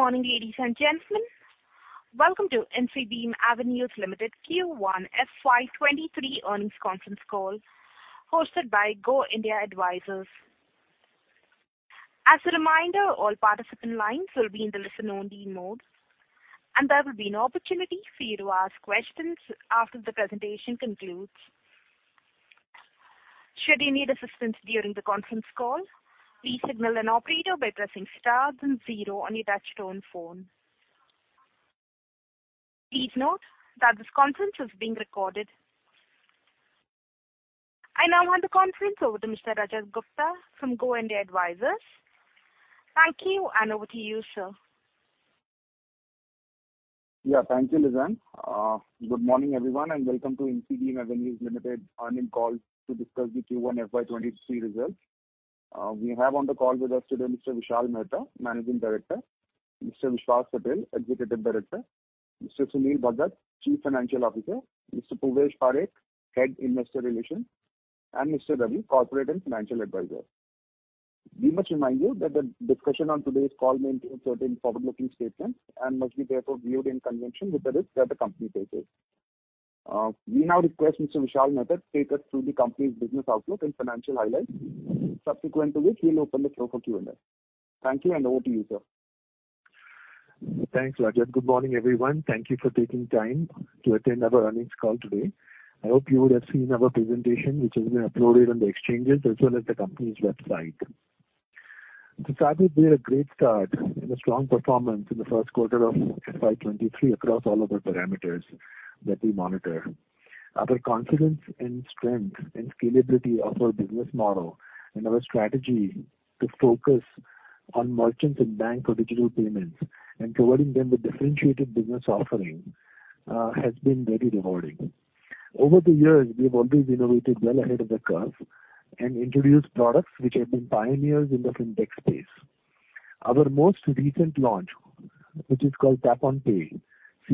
Good morning, ladies and gentlemen. Welcome to Infibeam Avenues Limited Q1 FY 2023 earnings conference call hosted by Go India Advisors. As a reminder, all participant lines will be in the listen only mode, and there will be an opportunity for you to ask questions after the presentation concludes. Should you need assistance during the conference call, please signal an operator by pressing star then zero on your touchtone phone. Please note that this conference is being recorded. I now hand the conference over to Mr. Rajat Gupta from Go India Advisors. Thank you, and over to you, sir. Yeah. Thank you, Lizanne. Good morning, everyone, and welcome to Infibeam Avenues Limited earnings call to discuss the Q1 FY 2023 results. We have on the call with us today Mr. Vishal Mehta, Managing Director, Mr. Vishwas Patel, Executive Director, Mr. Sunil Bhagat, Chief Financial Officer, Mr. Purvesh Parekh, Head Investor Relations, and Mr. Ravi, Corporate and Financial Advisor. We must remind you that the discussion on today's call may include certain forward-looking statements and must be therefore viewed in conjunction with the risks that the company faces. We now request Mr. Vishal Mehta take us through the company's business outlook and financial highlights. Subsequent to which, we'll open the floor for Q&A. Thank you, and over to you, sir. Thanks, Rajat. Good morning, everyone. Thank you for taking time to attend our earnings call today. I hope you would have seen our presentation, which has been uploaded on the exchanges as well as the company's website. To start with, we had a great start and a strong performance in the first quarter of FY 2023 across all of the parameters that we monitor. Our confidence and strength and scalability of our business model and our strategy to focus on merchants and bank for digital payments and providing them with differentiated business offering has been very rewarding. Over the years, we have always innovated well ahead of the curve and introduced products which have been pioneers in the Fintech space. Our most recent launch, which is called Tap on Pay,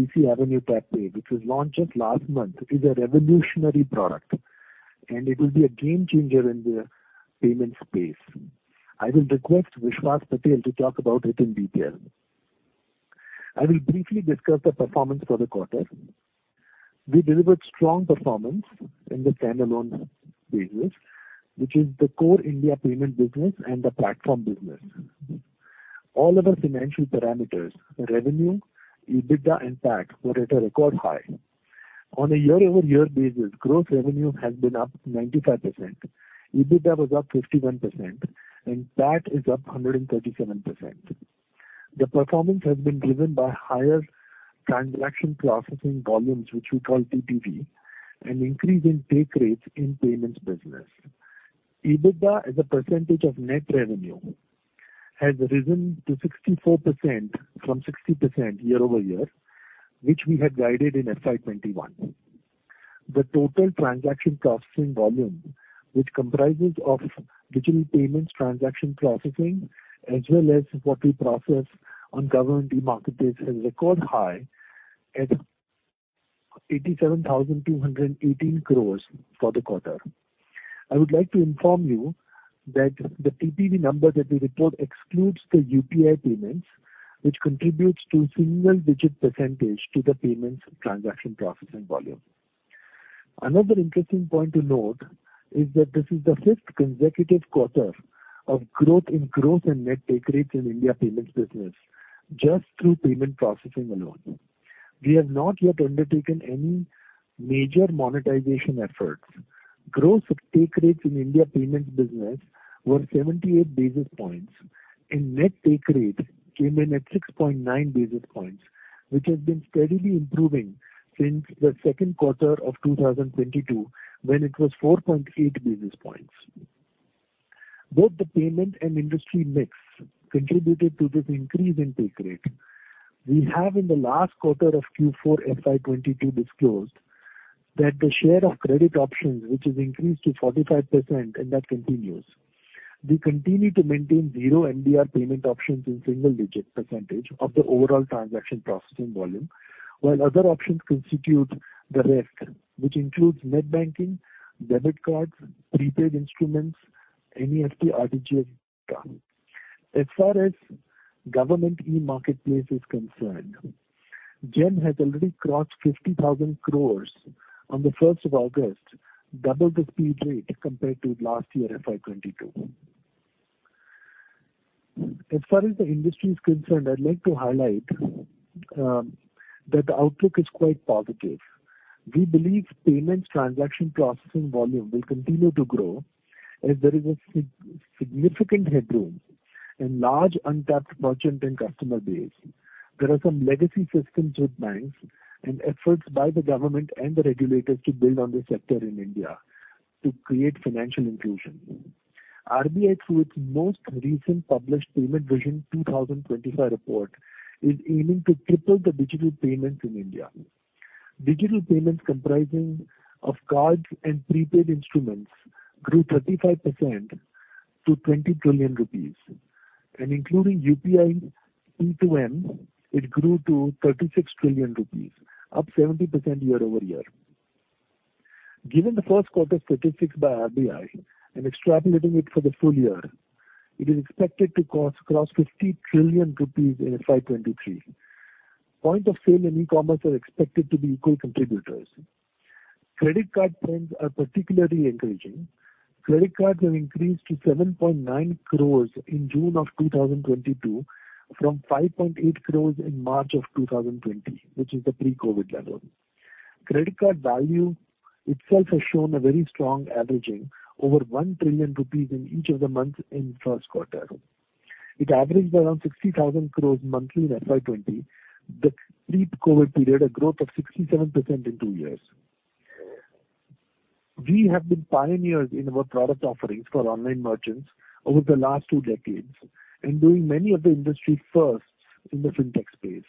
CCAvenue TapPay, which was launched just last month, is a revolutionary product, and it will be a game changer in the payment space. I will request Vishwas Patel to talk about it in detail. I will briefly discuss the performance for the quarter. We delivered strong performance in the standalone business, which is the core India payment business and the platform business. All of our financial parameters, revenue, EBITDA, and PAT were at a record high. On a year-over-year basis, gross revenue has been up 95%, EBITDA was up 51%, and PAT is up 137%. The performance has been driven by higher transaction processing volumes, which we call TPV, an increase in take rates in payments business. EBITDA, as a percentage of net revenue, has risen to 64% from 60% year-over-year, which we had guided in FY 2021. The total transaction processing volume, which comprises of digital payments transaction processing as well as what we process on Government e-Marketplace is a record high at 87,218 crore for the quarter. I would like to inform you that the TPV number that we report excludes the UPI payments, which contributes to a single-digit percentage to the payments transaction processing volume. Another interesting point to note is that this is the fifth consecutive quarter of growth in gross and net take rates in India payments business just through payment processing alone. We have not yet undertaken any major monetization efforts. Gross take rates in India payments business were 78 basis points, and net take rates came in at 6.9 basis points, which has been steadily improving since the second quarter of 2022 when it was 4.8 basis points. Both the payment and industry mix contributed to this increase in take rate. We have in the last quarter of Q4 FY 2022 disclosed that the share of credit options, which has increased to 45% and that continues. We continue to maintain 0 MDR payment options in single-digit % of the overall transaction processing volume, while other options constitute the rest, which includes net banking, debit cards, prepaid instruments, NEFT, RTGS. As far as Government e-Marketplace is concerned, GeM has already crossed 50,000 crore on the first of August, double the speed rate compared to last year, FY 2022. As far as the industry is concerned, I'd like to highlight that the outlook is quite positive. We believe payments transaction processing volume will continue to grow as there is a significant headroom and large untapped merchant and customer base. There are some legacy systems with banks and efforts by the government and the regulators to build on this sector in India to create financial inclusion. RBI, through its most recent published Payments Vision 2025 report, is aiming to triple the digital payments in India. Digital payments comprising of cards and prepaid instruments grew 35% to 20 trillion rupees. Including UPI, P2M, it grew to 36 trillion rupees, up 70% year-over-year. Given the first quarter statistics by RBI and extrapolating it for the full year, it is expected to cross 50 trillion rupees in FY 2023. Point of sale and e-commerce are expected to be equal contributors. Credit card trends are particularly encouraging. Credit cards have increased to 7.9 crore in June 2022, from 5.8 crore in March 2020, which is the pre-COVID level. Credit card value itself has shown a very strong averaging over 1 trillion rupees in each of the months in first quarter. It averaged around 60,000 crore monthly in FY 2020, the pre-COVID period, a growth of 67% in two years. We have been pioneers in our product offerings for online merchants over the last two decades and doing many of the industry firsts in the Fintech space.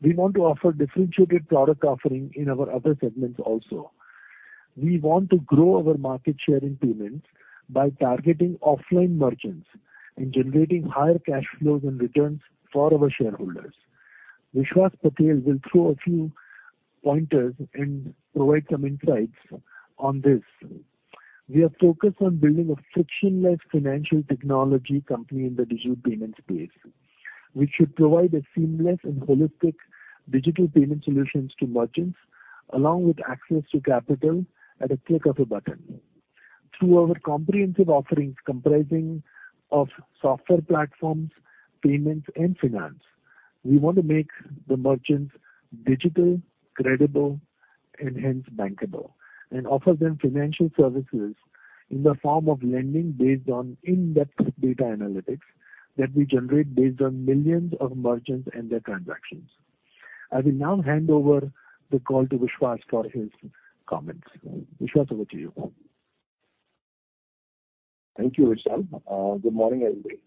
We want to offer differentiated product offering in our other segments also. We want to grow our market share in payments by targeting offline merchants and generating higher cash flows and returns for our shareholders. Vishwas Patel will throw a few pointers and provide some insights on this. We are focused on building a frictionless financial technology company in the digital payment space. We should provide a seamless and holistic digital payment solutions to merchants, along with access to capital at a click of a button. Through our comprehensive offerings comprising of software platforms, payments and finance, we want to make the merchants digital, credible and hence bankable. Offer them financial services in the form of lending based on in-depth data analytics that we generate based on millions of merchants and their transactions. I will now hand over the call to Vishwas Patel for his comments. Vishwas Patel, over to you. Thank you, Vishal. Good morning, everybody.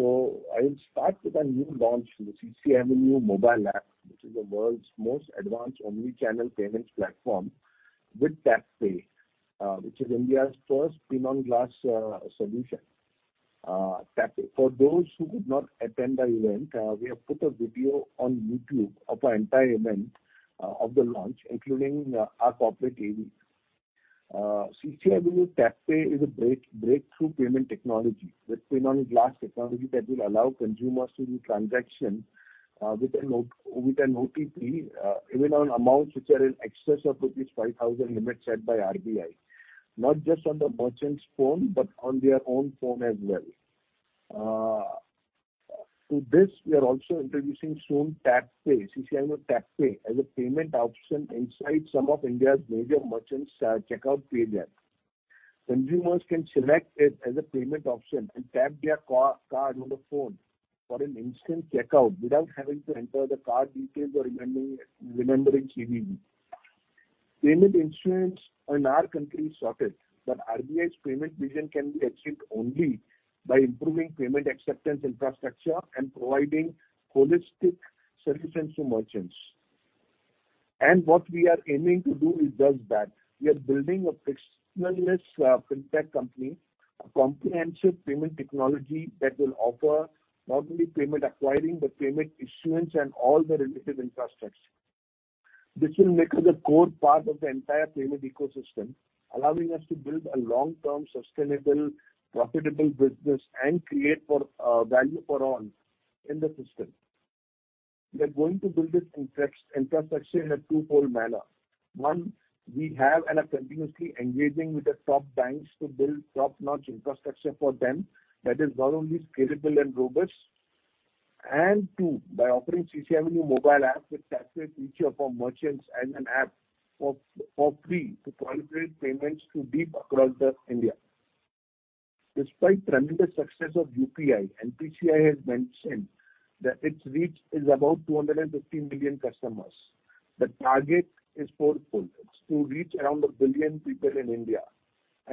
I'll start with our new launch, the CCAvenue mobile app, which is the world's most advanced omni-channel payments platform with TapPay, which is India's first PIN on Glass solution. TapPay. For those who could not attend our event, we have put a video on YouTube of our entire event of the launch, including our corporate AV. CCAvenue TapPay is a breakthrough payment technology with PIN on Glass technology that will allow consumers to do transaction with an OTP even on amounts which are in excess of rupees 5,000 limit set by RBI. Not just on the merchant's phone, but on their own phone as well. To this, we are also introducing soon CCAvenue TapPay, as a payment option inside some of India's major merchants, checkout pages. Consumers can select it as a payment option and tap their card on the phone for an instant checkout without having to enter the card details or remembering CVV. Payment issuance in our country is sorted, but RBI's Payments Vision 2025 can be achieved only by improving payment acceptance infrastructure and providing holistic solutions to merchants. What we are aiming to do is just that. We are building a frictionless, Fintech company, a comprehensive payment technology that will offer not only payment acquiring, but payment issuance and all the related infrastructure. This will make us a core part of the entire payment ecosystem, allowing us to build a long-term, sustainable, profitable business and create for value for all in the system. We're going to build this infrastructure in a two-fold manner. One, we have and are continuously engaging with the top banks to build top-notch infrastructure for them that is not only scalable and robust. Two, by offering CCAvenue mobile app with TapPay feature for merchants as an app for free to penetrate payments too deep across India. Despite tremendous success of UPI, NPCI has mentioned that its reach is about 250 million customers. The target is fourfold. It's to reach around 1 billion people in India.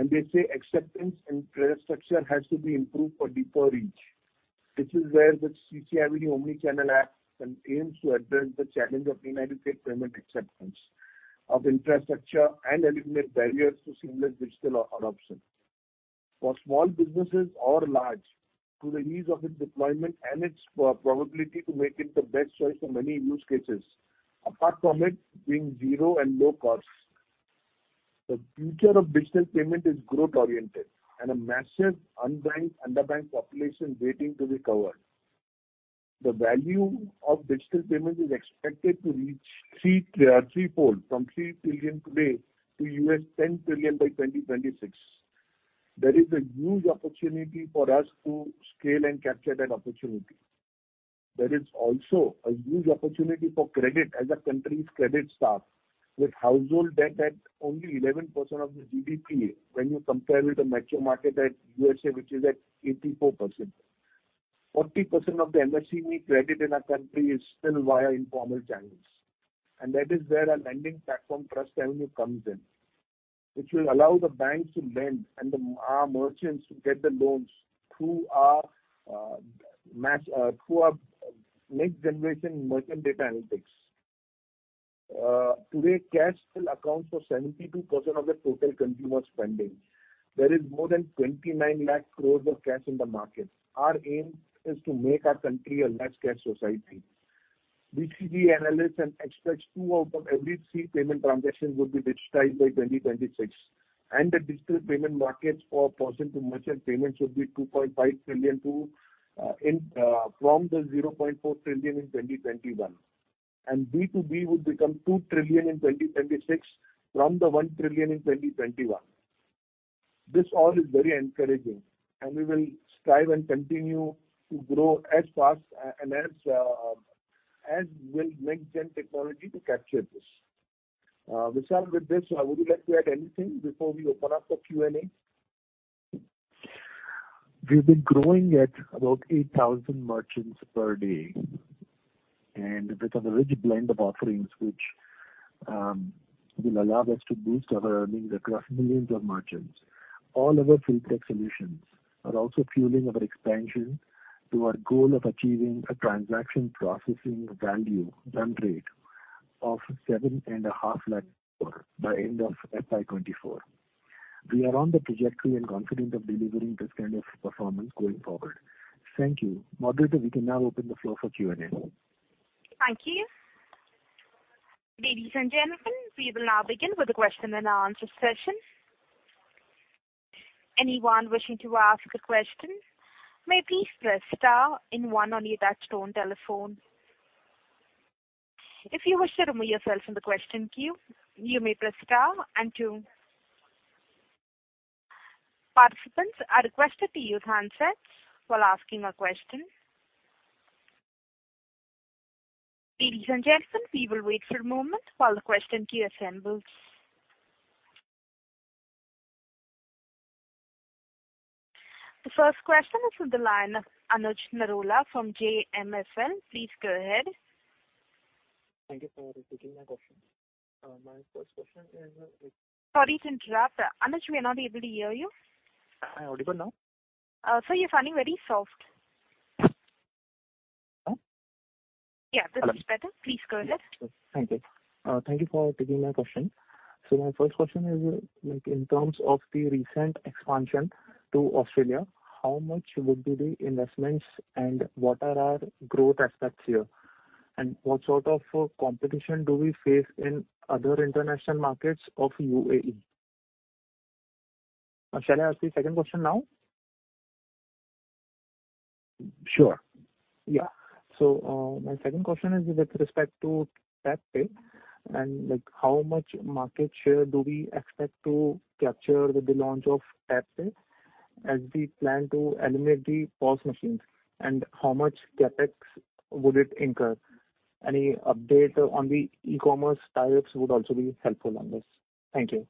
They say acceptance and infrastructure has to be improved for deeper reach. This is where the CCAvenue omni-channel app aims to address the challenge of unified payment acceptance infrastructure and eliminate barriers to seamless digital adoption. For small businesses or large, due to the ease of its deployment and its profitability to make it the best choice for many use cases, apart from it being zero and low cost. The future of digital payment is growth oriented and a massive unbanked, underbanked population waiting to be covered. The value of digital payment is expected to reach threefold from 3 trillion today to $10 trillion by 2026. There is a huge opportunity for us to scale and capture that opportunity. There is also a huge opportunity for credit as our country's credit starts with household debt at only 11% of the GDP. When you compare it with the mature market at USA, which is at 84%. 40% of the MSME need credit in our country is still via informal channels. That is where our lending platform, TrustAvenue, comes in, which will allow the banks to lend and our merchants to get the loans through our next generation merchant data analytics. Today, cash still accounts for 72% of the total consumer spending. There is more than 29 lakh crores of cash in the market. Our aim is to make our country a less cash society. BCG analysis expects two out of every three payment transactions will be digitized by 2026. The digital payment market for person-to-merchant payments will be 2.5 trillion from the 0.4 trillion in 2021. B2B would become 2 trillion in 2026 from the 1 trillion in 2021. This all is very encouraging, and we will strive and continue to grow as fast and as we make new technology to capture this. Vishal, with this, would you like to add anything before we open up for Q&A? We've been growing at about 8,000 merchants per day. With a rich blend of offerings which will allow us to boost our earnings across millions of merchants. All of our Fintech solutions are also fueling our expansion to our goal of achieving a transaction processing value run rate of 7.5 lakh crore by end of FY 2024. We are on the trajectory and confident of delivering this kind of performance going forward. Thank you. Moderator, we can now open the floor for Q&A. Thank you. Ladies and gentlemen, we will now begin with the question-and-answer session. Anyone wishing to ask a question may please press star and one on your touchtone telephone. If you wish to remove yourself from the question queue, you may press star and two. Participants are requested to use handsets while asking a question. Ladies and gentlemen, we will wait for a moment while the question queue assembles. The first question is with the line of Anuj Narula from JM Financial. Please go ahead. Thank you for taking my question. My first question is. Sorry to interrupt. Anuj, we're not able to hear you. Am I audible now? Sir, you're sounding very soft. Huh? Yeah. Hello. This is better. Please go ahead. Thank you. Thank you for taking my question. My first question is, like, in terms of the recent expansion to Australia, how much would be the investments, and what are our growth aspects here? What sort of competition do we face in other international markets of UAE? Shall I ask the second question now? Sure. My second question is with respect to Tap Pay and, like, how much market share do we expect to capture with the launch of Tap Pay as we plan to eliminate the POS machines. How much CapEx would it incur? Any update on the e-commerce tariffs would also be helpful on this. Thank you.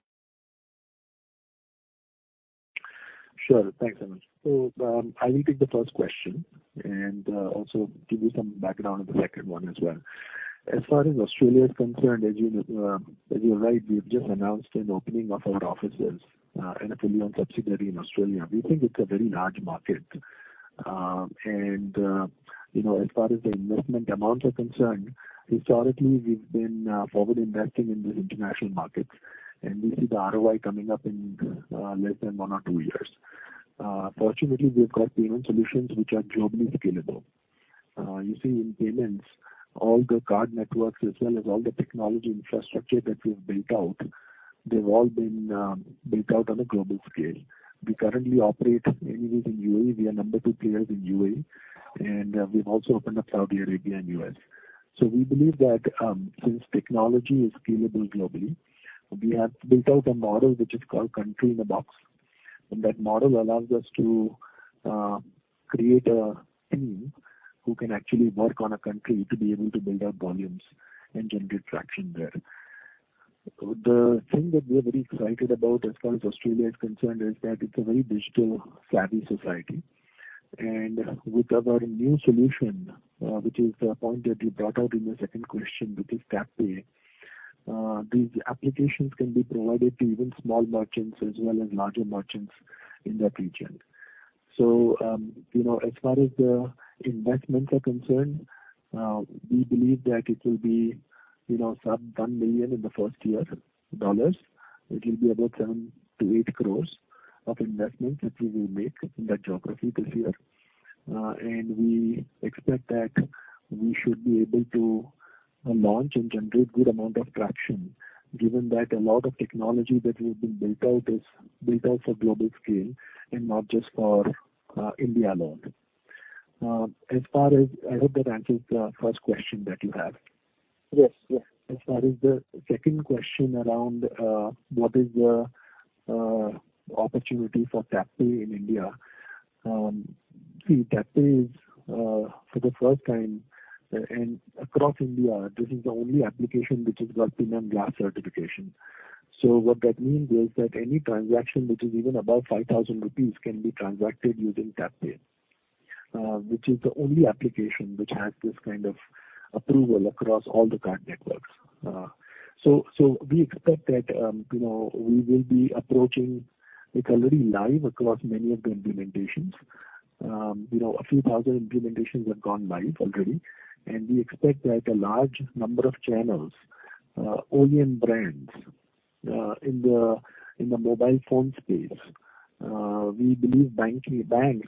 Sure. Thanks, Anuj. I will take the first question and also give you some background on the second one as well. As far as Australia is concerned, as you're right, we've just announced an opening of our offices and a fully-owned subsidiary in Australia. We think it's a very large market. You know, as far as the investment amounts are concerned, historically we've been forward investing in the international markets. We see the ROI coming up in less than one or two years. Fortunately, we've got payment solutions which are globally scalable. You see, in payments, all the card networks as well as all the technology infrastructure that we've built out, they've all been built out on a global scale. We currently operate mainly within UAE. We are number two players in UAE, and we've also opened up Saudi Arabia and US. We believe that, since technology is scalable globally, we have built out a model which is called Country-in-a-Box, and that model allows us to create a team who can actually work on a country to be able to build up volumes and generate traction there. The thing that we are very excited about as far as Australia is concerned is that it's a very digital-savvy society. With our new solution, which is the point that you brought out in the second question, which is TapPay, these applications can be provided to even small merchants as well as larger merchants in that region. you know, as far as the investments are concerned, we believe that it will be, you know, some $1 million in the first year. It will be about 7-8 crores of investments which we will make in that geography this year. We expect that we should be able to launch and generate good amount of traction, given that a lot of technology that we have built out is built out for global scale and not just for India alone. I hope that answers the first question that you have. Yes. Yes. As far as the second question around what is the opportunity for Tap Pay in India. See, Tap Pay is for the first time and across India, this is the only application which has got PIN on Glass certification. So what that means is that any transaction which is even above 5,000 rupees can be transacted using Tap Pay, which is the only application which has this kind of approval across all the card networks. So we expect that, you know, we will be approaching. It's already live across many of the implementations. You know, a few thousand implementations have gone live already, and we expect that a large number of channels, OEM brands in the mobile phone space, we believe banks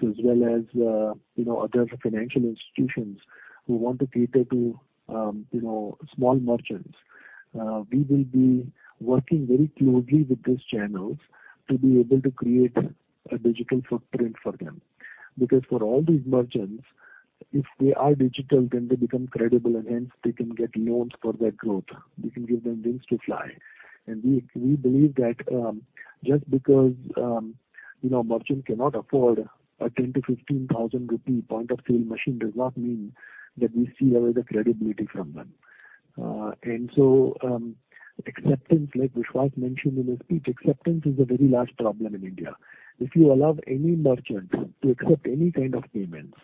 as well as, you know, other financial institutions who want to cater to, you know, small merchants. We will be working very closely with these channels to be able to create a digital footprint for them. Because for all these merchants, if they are digital, then they become credible, and hence they can get loans for their growth. We can give them wings to fly. We believe that, just because, you know, merchant cannot afford a 10-15,000 rupee point of sale machine does not mean that we take away the credibility from them. Acceptance, like Vishwas mentioned in his speech, acceptance is a very large problem in India. If you allow any merchant to accept any kind of payments,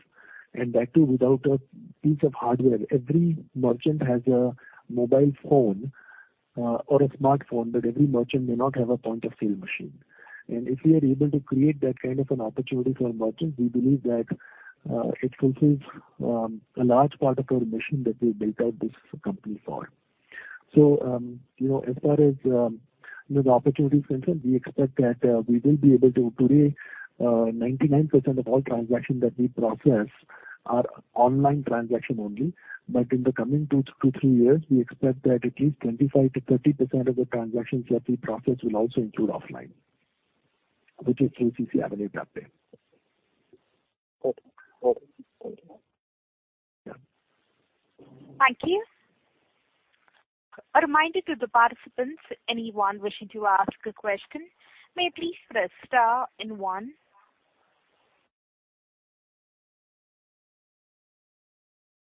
and that too without a piece of hardware, every merchant has a mobile phone or a smartphone, but every merchant may not have a point of sale machine. If we are able to create that kind of an opportunity for a merchant, we believe that it fulfills a large part of our mission that we built out this company for. You know, as far as you know, the opportunity is concerned, we expect that we will be able to. Today, 99% of all transactions that we process are online transaction only. In the coming 2-3 years, we expect that at least 25%-30% of the transactions that we process will also include offline, which is CCAvenue's uptake. Okay. Thank you. Yeah. Thank you. A reminder to the participants, anyone wishing to ask a question may please press star and one.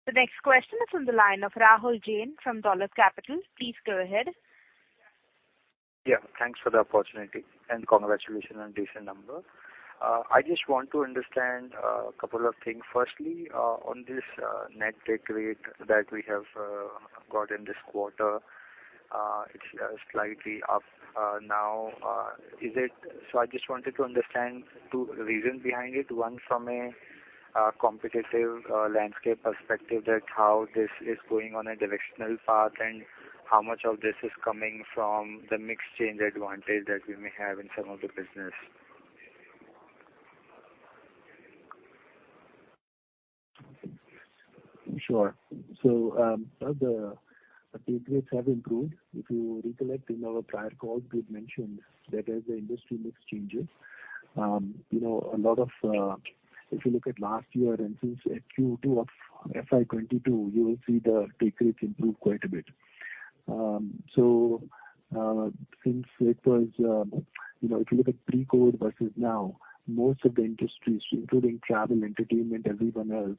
The next question is on the line of Rahul Jain from Dolat Capital. Please go ahead. Yeah. Thanks for the opportunity and congratulations on decent number. I just want to understand a couple of things. Firstly, on this net take rate that we have got in this quarter, it's slightly up now. I just wanted to understand two reasons behind it. One, from a competitive landscape perspective, that how this is going on a directional path, and how much of this is coming from the mix change advantage that we may have in some of the business. Sure. The take rates have improved. If you recollect in our prior calls, we've mentioned that as the industry mix changes, you know, a lot of, if you look at last year and since Q2 of FY 2022, you will see the take rates improve quite a bit. Since it was, you know, if you look at pre-COVID versus now, most of the industries, including travel, entertainment, everyone else,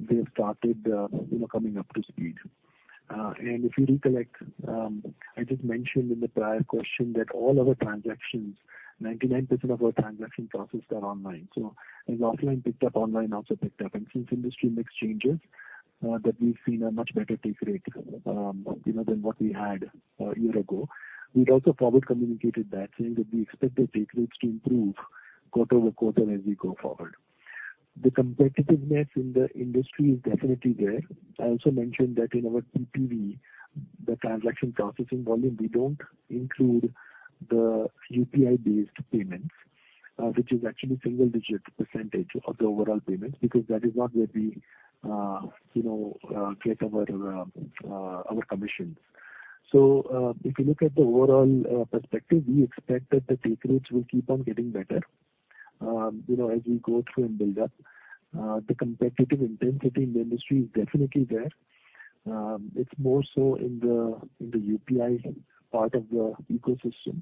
they have started, you know, coming up to speed. If you recollect, I just mentioned in the prior question that all our transactions, 99% of our transactions processed are online. As offline picked up, online also picked up. Since industry mix changes, that we've seen a much better take rate, you know, than what we had a year ago. We'd also formally communicated that saying that we expect the take rates to improve quarter-over-quarter as we go forward. The competitiveness in the industry is definitely there. I also mentioned that in our TPV, the transaction processing volume, we don't include the UPI-based payments, which is actually single-digit % of the overall payments, because that is not where we, you know, get our commissions. If you look at the overall perspective, we expect that the take rates will keep on getting better, you know, as we go through and build up. The competitive intensity in the industry is definitely there. It's more so in the UPI part of the ecosystem.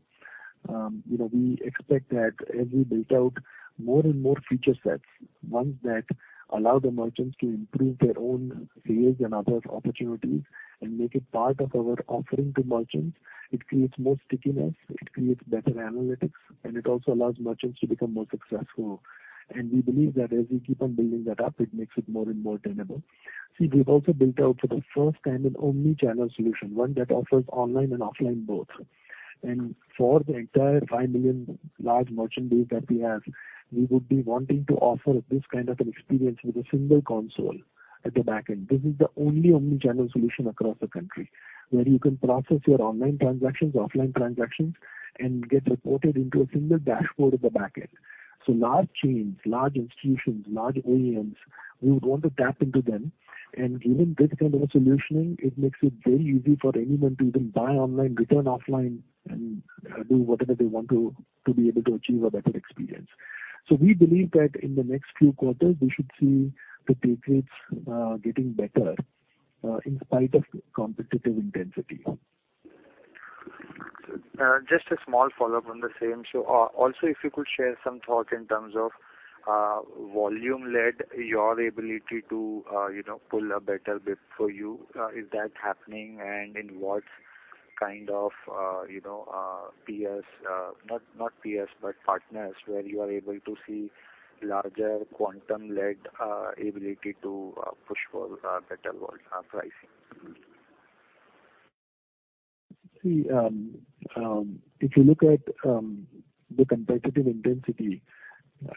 You know, we expect that as we build out more and more feature sets, ones that allow the merchants to improve their own sales and other opportunities and make it part of our offering to merchants, it creates more stickiness, it creates better analytics, and it also allows merchants to become more successful. We believe that as we keep on building that up, it makes it more and more tenable. See, we've also built out for the first time an omni-channel solution, one that offers online and offline both. For the entire 5 million large merchant base that we have, we would be wanting to offer this kind of an experience with a single console at the back end. This is the only omni-channel solution across the country, where you can process your online transactions, offline transactions, and get reported into a single dashboard at the back end. Large chains, large institutions, large OEMs, we would want to tap into them. Given this kind of a solutioning, it makes it very easy for anyone to even buy online, return offline, and do whatever they want to be able to achieve a better experience. We believe that in the next few quarters, we should see the take rates getting better in spite of competitive intensity. Just a small follow-up on the same. Also if you could share some thought in terms of volume-led your ability to you know pull a better bid for you. Is that happening? In what kind of you know partners where you are able to see larger quantum-led ability to push for better world pricing. See, if you look at the competitive intensity,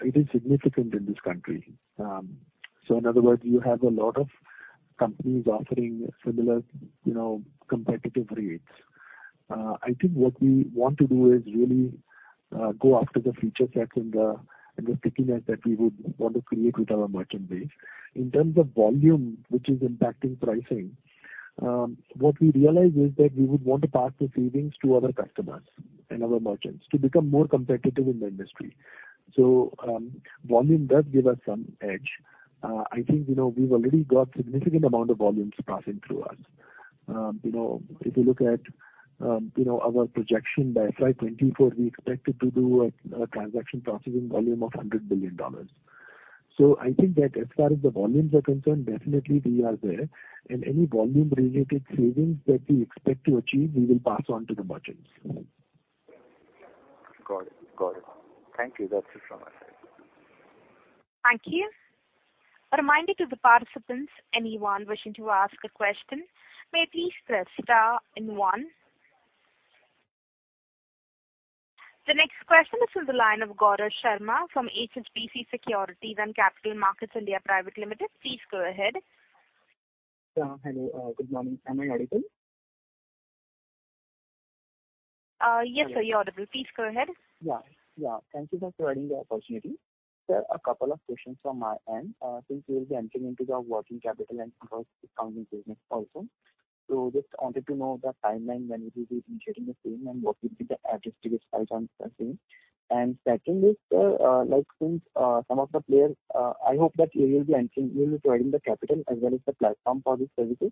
it is significant in this country. In other words, you have a lot of companies offering similar, you know, competitive rates. I think what we want to do is really go after the feature set and the stickiness that we would want to create with our merchant base. In terms of volume, which is impacting pricing, what we realized is that we would want to pass the savings to our customers and our merchants to become more competitive in the industry. Volume does give us some edge. I think, you know, we've already got significant amount of volumes passing through us. You know, if you look at, you know, our projection by FY 2024, we expected to do a transaction processing volume of $100 billion. I think that as far as the volumes are concerned, definitely we are there, and any volume-related savings that we expect to achieve, we will pass on to the merchants. Got it. Thank you. That's it from my side. Thank you. A reminder to the participants, anyone wishing to ask a question, may please press star and one. The next question is from the line of Gaurav Sharma from HSBC Securities and Capital Markets (India) Private Limited. Please go ahead. Yeah. Hello. Good morning. Am I audible? Yes, sir. You're audible. Please go ahead. Yeah. Thank you for providing the opportunity. Sir, a couple of questions from my end. Since you will be entering into the working capital and invoice discounting business also, just wanted to know the timeline when it will be initiating the same and what will be the average ticket size on the same. Second is, like since some of the players, you will be providing the capital as well as the platform for these services.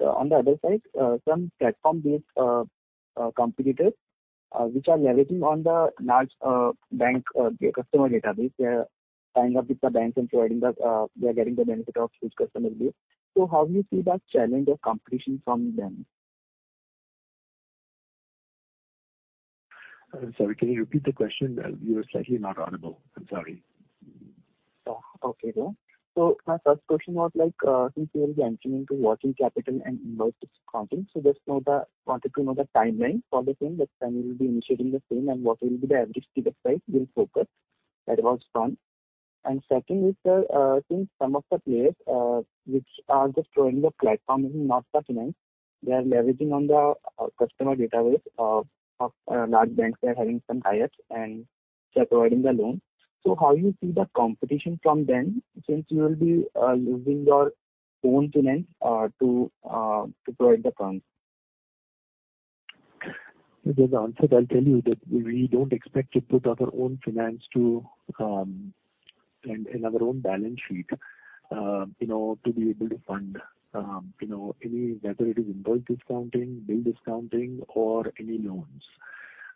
On the other side, some platform-based competitors which are leveraging on the large bank customer database, they are tying up with the banks and they're getting the benefit of huge customer base. How do you see that challenge of competition from them? I'm sorry. Can you repeat the question? You were slightly not audible. I'm sorry. Oh, okay. Yeah. My first question was like, since you will be entering into working capital and invoice discounting, wanted to know the timeline for the same. What time you will be initiating the same, and what will be the average ticket size you'll focus? That was one. Second is, since some of the players which are just growing the platform in fintech, they are leveraging on the customer database of large banks that are having some tie-ups, and they're providing the loan. How you see the competition from them since you will be using your own finance to provide the funds? This is answered. I'll tell you that we don't expect to put our own finance to, in our own balance sheet, you know, to be able to fund, you know, any, whether it is invoice discounting, bill discounting or any loans.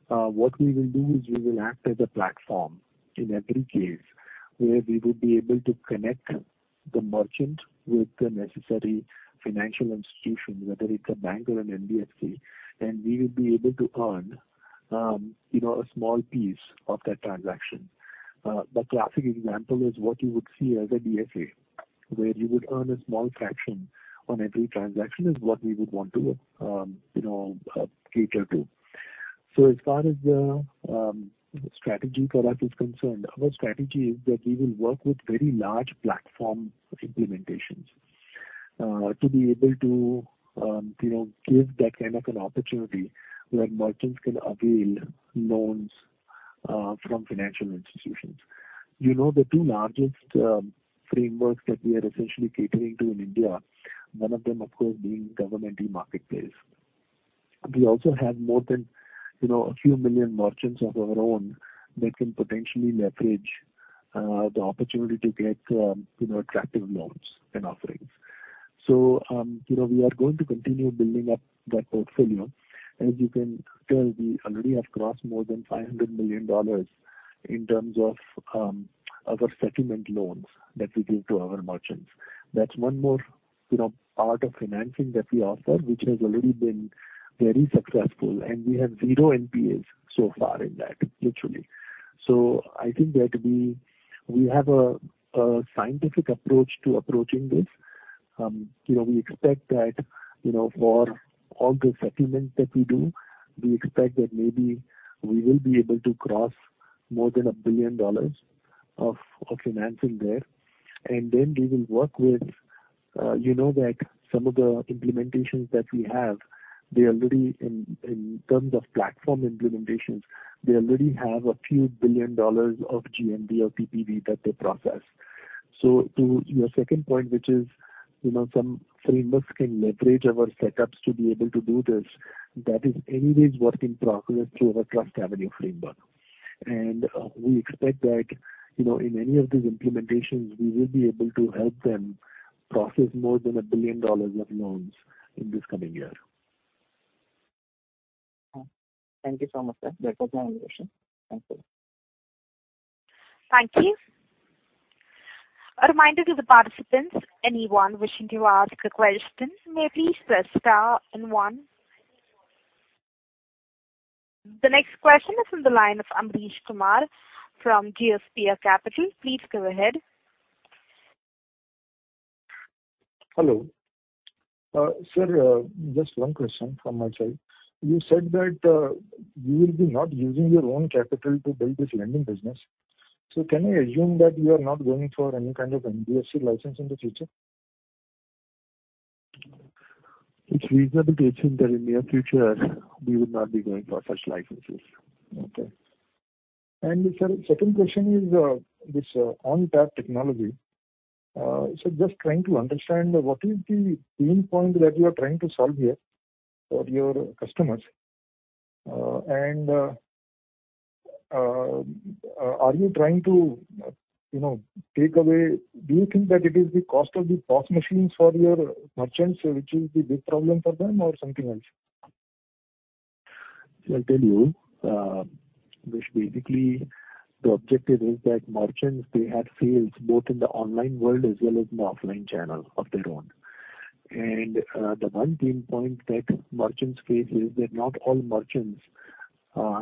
What we will do is we will act as a platform in every case where we would be able to connect the merchant with the necessary financial institution, whether it's a bank or an NBFC, and we will be able to earn, you know, a small piece of that transaction. The classic example is what you would see as a DSA, where you would earn a small fraction on every transaction, is what we would want to, you know, cater to. As far as the strategy for us is concerned, our strategy is that we will work with very large platform implementations, to be able to, you know, give that kind of an opportunity where merchants can avail loans, from financial institutions. You know, the two largest frameworks that we are essentially catering to in India, one of them of course being governmental marketplace. We also have more than, you know, a few million merchants of our own that can potentially leverage, the opportunity to get, you know, attractive loans and offerings. We are going to continue building up that portfolio. As you can tell, we already have crossed more than $500 million in terms of, our settlement loans that we give to our merchants. That's one more, you know, part of financing that we offer, which has already been very successful, and we have zero NPAs so far in that, literally. I think that we have a scientific approach to approaching this. You know, we expect that, you know, for all the settlement that we do, we expect that maybe we will be able to cross more than $1 billion of financing there. Then we will work with, you know, that some of the implementations that we have, they already, in terms of platform implementations, have a few billion dollars of GMV or TPV that they process. To your second point, which is, you know, some frameworks can leverage our setups to be able to do this. That is anyways work in progress through our TrustAvenue framework. We expect that, you know, in any of these implementations, we will be able to help them process more than $1 billion of loans in this coming year. Thank you so much, sir. That was my question. Thank you. Thank you. A reminder to the participants, anyone wishing to ask a question, may please press star and one. The next question is from the line of Amrish Kumar from GSFC Capital. Please go ahead. Hello. Sir, just one question from my side. You said that you will be not using your own capital to build this lending business. Can we assume that you are not going for any kind of NBFC license in the future? It's reasonable to assume that in near future we will not be going for such licenses. Okay. Sir, second question is, this OnTap technology. Just trying to understand what is the pain point that you are trying to solve here for your customers? Do you think that it is the cost of the POS machines for your merchants which is the big problem for them or something else? I'll tell you, which basically the objective is that merchants, they had failed both in the online world as well as in the offline channel of their own. The one pain point that merchants face is that not all merchants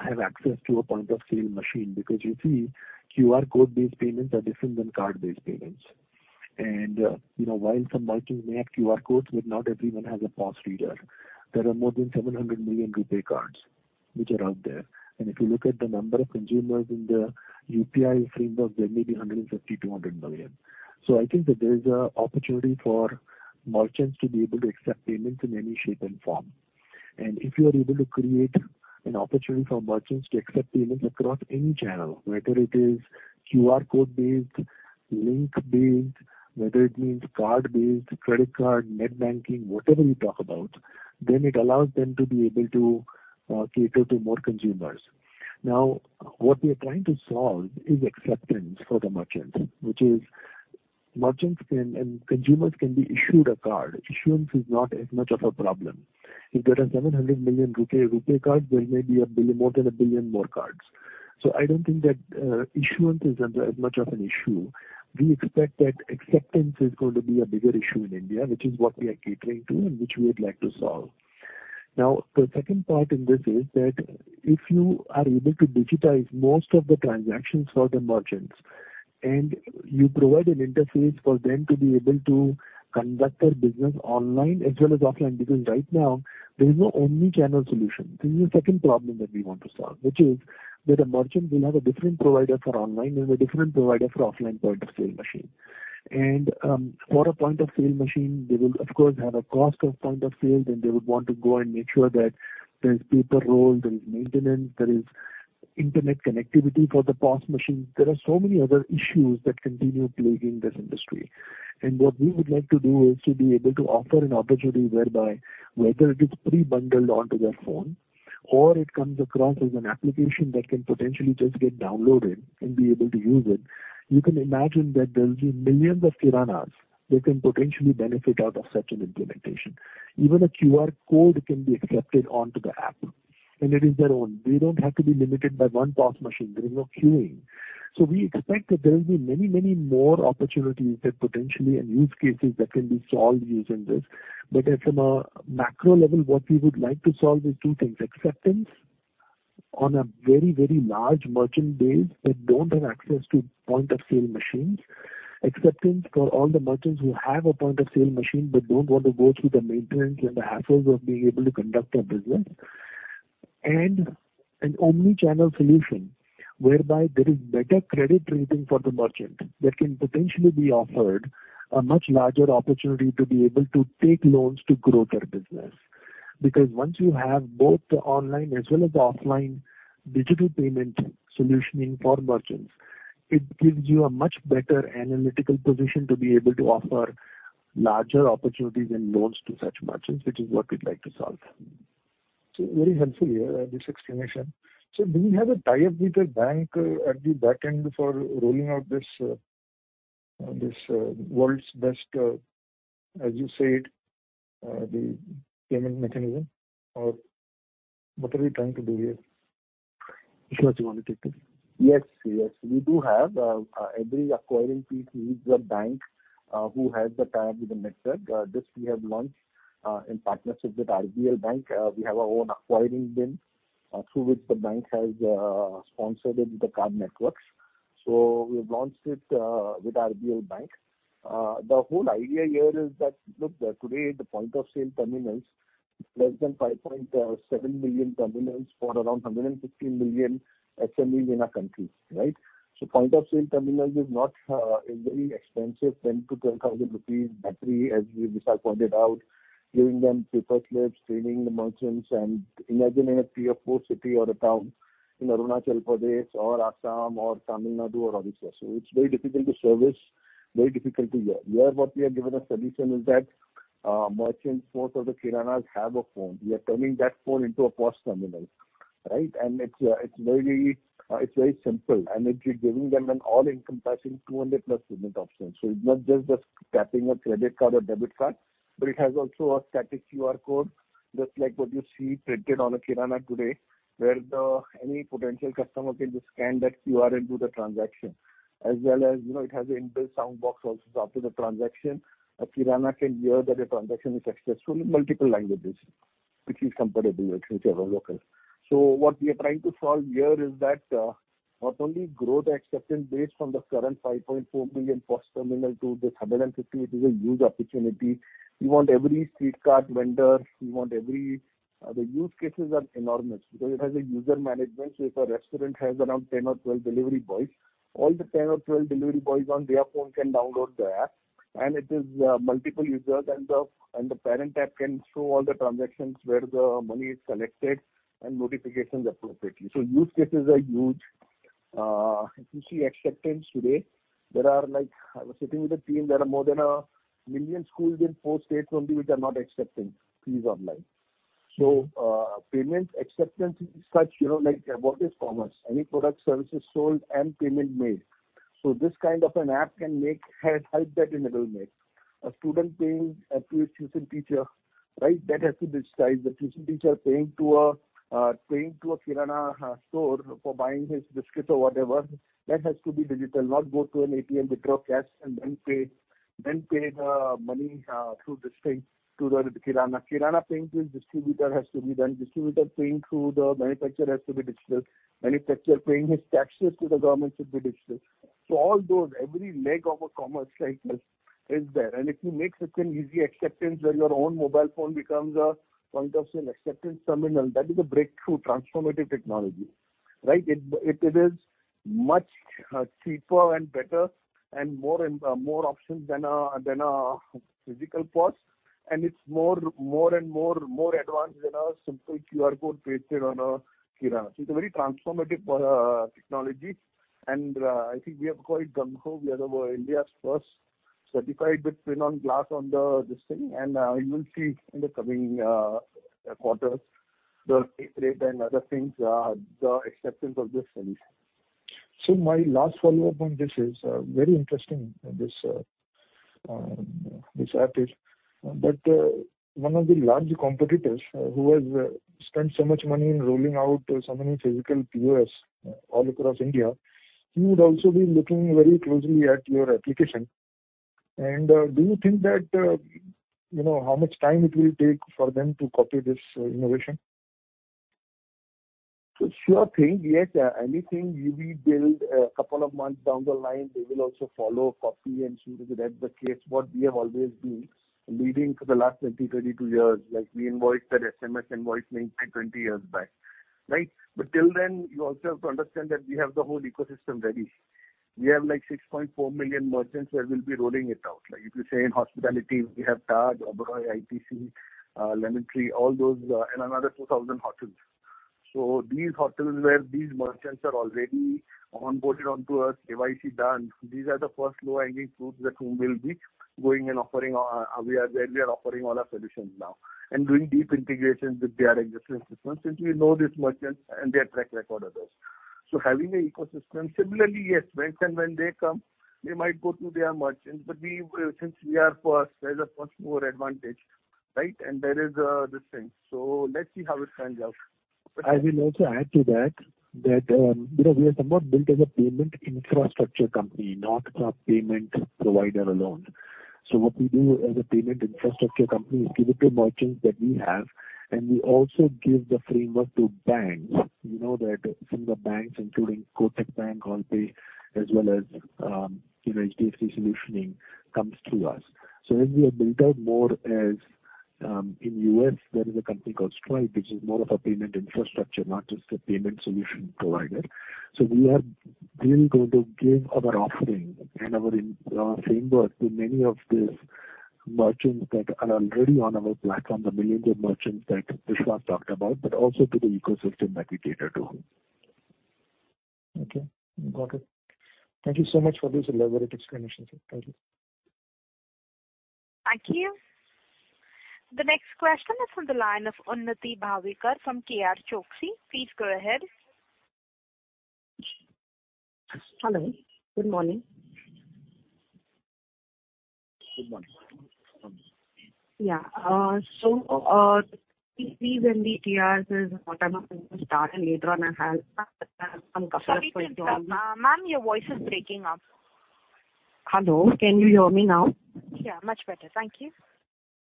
have access to a point-of-sale machine. Because you see QR code-based payments are different than card-based payments. You know, while some merchants may have QR codes, but not everyone has a POS reader. There are more than 700 million RuPay cards which are out there. If you look at the number of consumers in the UPI framework, there may be 150-200 million. I think that there is an opportunity for merchants to be able to accept payments in any shape and form. If you are able to create an opportunity for merchants to accept payments across any channel, whether it is QR code-based, link-based, whether it means card-based, credit card, net banking, whatever you talk about, then it allows them to be able to cater to more consumers. Now, what we are trying to solve is acceptance for the merchants, which is merchants can and consumers can be issued a card. Issuance is not as much of a problem. If there are 700 million RuPay cards, there may be more than a billion more cards. So I don't think that issuance is as much of an issue. We expect that acceptance is going to be a bigger issue in India, which is what we are catering to and which we would like to solve. Now, the second part in this is that if you are able to digitize most of the transactions for the merchants, and you provide an interface for them to be able to conduct their business online as well as offline. Because right now there is no omni-channel solution. This is the second problem that we want to solve, which is that a merchant will have a different provider for online and a different provider for offline point-of-sale machine. For a point-of-sale machine, they will of course have a cost of point of sale. They would want to go and make sure that there's paper roll, there is maintenance, there is internet connectivity for the POS machine. There are so many other issues that continue plaguing this industry. What we would like to do is to be able to offer an opportunity whereby whether it is pre-bundled onto their phone or it comes across as an application that can potentially just get downloaded and be able to use it. You can imagine that there will be millions of kiranas that can potentially benefit out of such an implementation. Even a QR code can be accepted onto the app, and it is their own. They don't have to be limited by one POS machine. There is no queuing. We expect that there will be many, many more opportunities that potentially and use cases that can be solved using this. At a macro level, what we would like to solve is two things. Acceptance on a very, very large merchant base that don't have access to point-of-sale machines. Acceptance for all the merchants who have a point-of-sale machine but don't want to go through the maintenance and the hassles of being able to conduct their business. An omni-channel solution whereby there is better credit rating for the merchant that can potentially be offered a much larger opportunity to be able to take loans to grow their business. Because once you have both the online as well as the offline digital payment solution in for merchants, it gives you a much better analytical position to be able to offer larger opportunities and loans to such merchants, which is what we'd like to solve. Very helpful here, this explanation. Do you have a tie-up with a bank at the back end for rolling out this world's best, as you said, the payment mechanism? Or what are we trying to do here? Vishal, do you want to take this? Yes. Yes, we do have every acquiring piece needs a bank who has the tie-up with the network. This we have launched in partnership with RBL Bank. We have our own acquiring BIN through which the bank has sponsored in the card networks. We've launched it with RBL Bank. The whole idea here is that, look, today the point-of-sale terminals is less than 5.7 million terminals for around 150 million SMEs in our country, right? Point-of-sale terminals is not a very expensive 10,000-12,000 rupees battery, as Vishal pointed out, giving them paper slips, training the merchants. Imagine in a tier three or four city or a town in Arunachal Pradesh or Assam or Tamil Nadu or Odisha. It's very difficult to service, very difficult to hear. Where what we have given a solution is that, merchants, most of the kiranas have a phone. We are turning that phone into a POS terminal, right? It's very simple, and it is giving them an all encompassing 200+ payment options. It's not just tapping a credit card or debit card, but it has also a static QR code, just like what you see printed on a kirana today, where any potential customer can just scan that QR and do the transaction. As well as, you know, it has an inbuilt sound box also. After the transaction, a kirana can hear that a transaction is successful in multiple languages. Which is comparable with whichever locals. What we are trying to solve here is that, not only growth acceptance based on the current 5.4 million POS terminal to 150, it is a huge opportunity. We want every street cart vendor. The use cases are enormous because it has a user management. If a restaurant has around 10 or 12 delivery boys, all the 10 or 12 delivery boys on their phone can download the app, and it is multiple users. The parent app can show all the transactions where the money is collected and notifications appropriately. Use cases are huge. If you see acceptance today, there are like I was sitting with the team, there are more than 1 million schools in 4 states only which are not accepting fees online. Payment acceptance is such, you know. Like what is commerce? Any product service is sold and payment made. This kind of an app can make help that enablement. A student paying to his tuition teacher, right? That has to be digitized. The tuition teacher paying to a kirana store for buying his biscuits or whatever, that has to be digital, not go to an ATM, withdraw cash and then pay the money through this thing to the kirana. Kirana paying to his distributor has to be done. Distributor paying to the manufacturer has to be digital. Manufacturer paying his taxes to the government should be digital. All those, every leg of a commerce cycle is there. If you make such an easy acceptance where your own mobile phone becomes a point of sale acceptance terminal, that is a breakthrough transformative technology, right? It is much cheaper and better and more options than a physical POS. It's more advanced than a simple QR code pasted on a kirana. It's a very transformative technology. I think we are quite gung-ho. We are India's first certified with PIN on Glass on this thing. You will see in the coming quarters the take rate and other things, the acceptance of this service. My last follow-up on this is very interesting. This app is. One of the large competitors who has spent so much money in rolling out so many physical POS all across India, he would also be looking very closely at your application. Do you think that, you know, how much time it will take for them to copy this innovation? Sure thing. Yes, anything we build, a couple of months down the line they will also follow, copy and see if that's the case, what we have always been leading for the last 22 years. Like we introduced that SMS invoicing 20 years back, right? Till then, you also have to understand that we have the whole ecosystem ready. We have like 6.4 million merchants where we'll be rolling it out. Like if you say in hospitality, we have Taj, Oberoi, ITC, Lemon Tree, all those, and another 2,000 hotels. So these hotels where these merchants are already onboarded onto us, KYC done, these are the first low-hanging fruits that whom we'll be going and offering our. We are where we are offering all our solutions now and doing deep integrations with their existing systems, since we know these merchants and their track record with us. Having an ecosystem. Similarly, yes, when they come, they might go to their merchants, but we will. Since we are first, there's a much more advantage, right? There is this thing. Let's see how it pans out. I will also add to that, you know, we are somewhat built as a payment infrastructure company, not a payment provider alone. What we do as a payment infrastructure company is give it to merchants that we have, and we also give the framework to banks. We know that some of the banks, including Kotak Bank, 1Pay, as well as, you know, HDFC solutions, comes to us. We are built out more as, in U.S. there is a company called Stripe, which is more of a payment infrastructure, not just a payment solution provider. We are really going to give our offering and our framework to many of these merchants that are already on our platform, the millions of merchants that Vishwas talked about, but also to the ecosystem that we cater to. Okay, got it. Thank you so much for this elaborate explanation, sir. Thank you. Thank you. The next question is from the line of Unnati Bhavsar from K R Choksey. Please go ahead. Hello. Good morning. Good morning. Yeah. TPVs and the TRs is what I'm going to start, and later on I have some questions for you. Sorry to interrupt. Ma'am, your voice is breaking up. Hello. Can you hear me now? Yeah, much better. Thank you.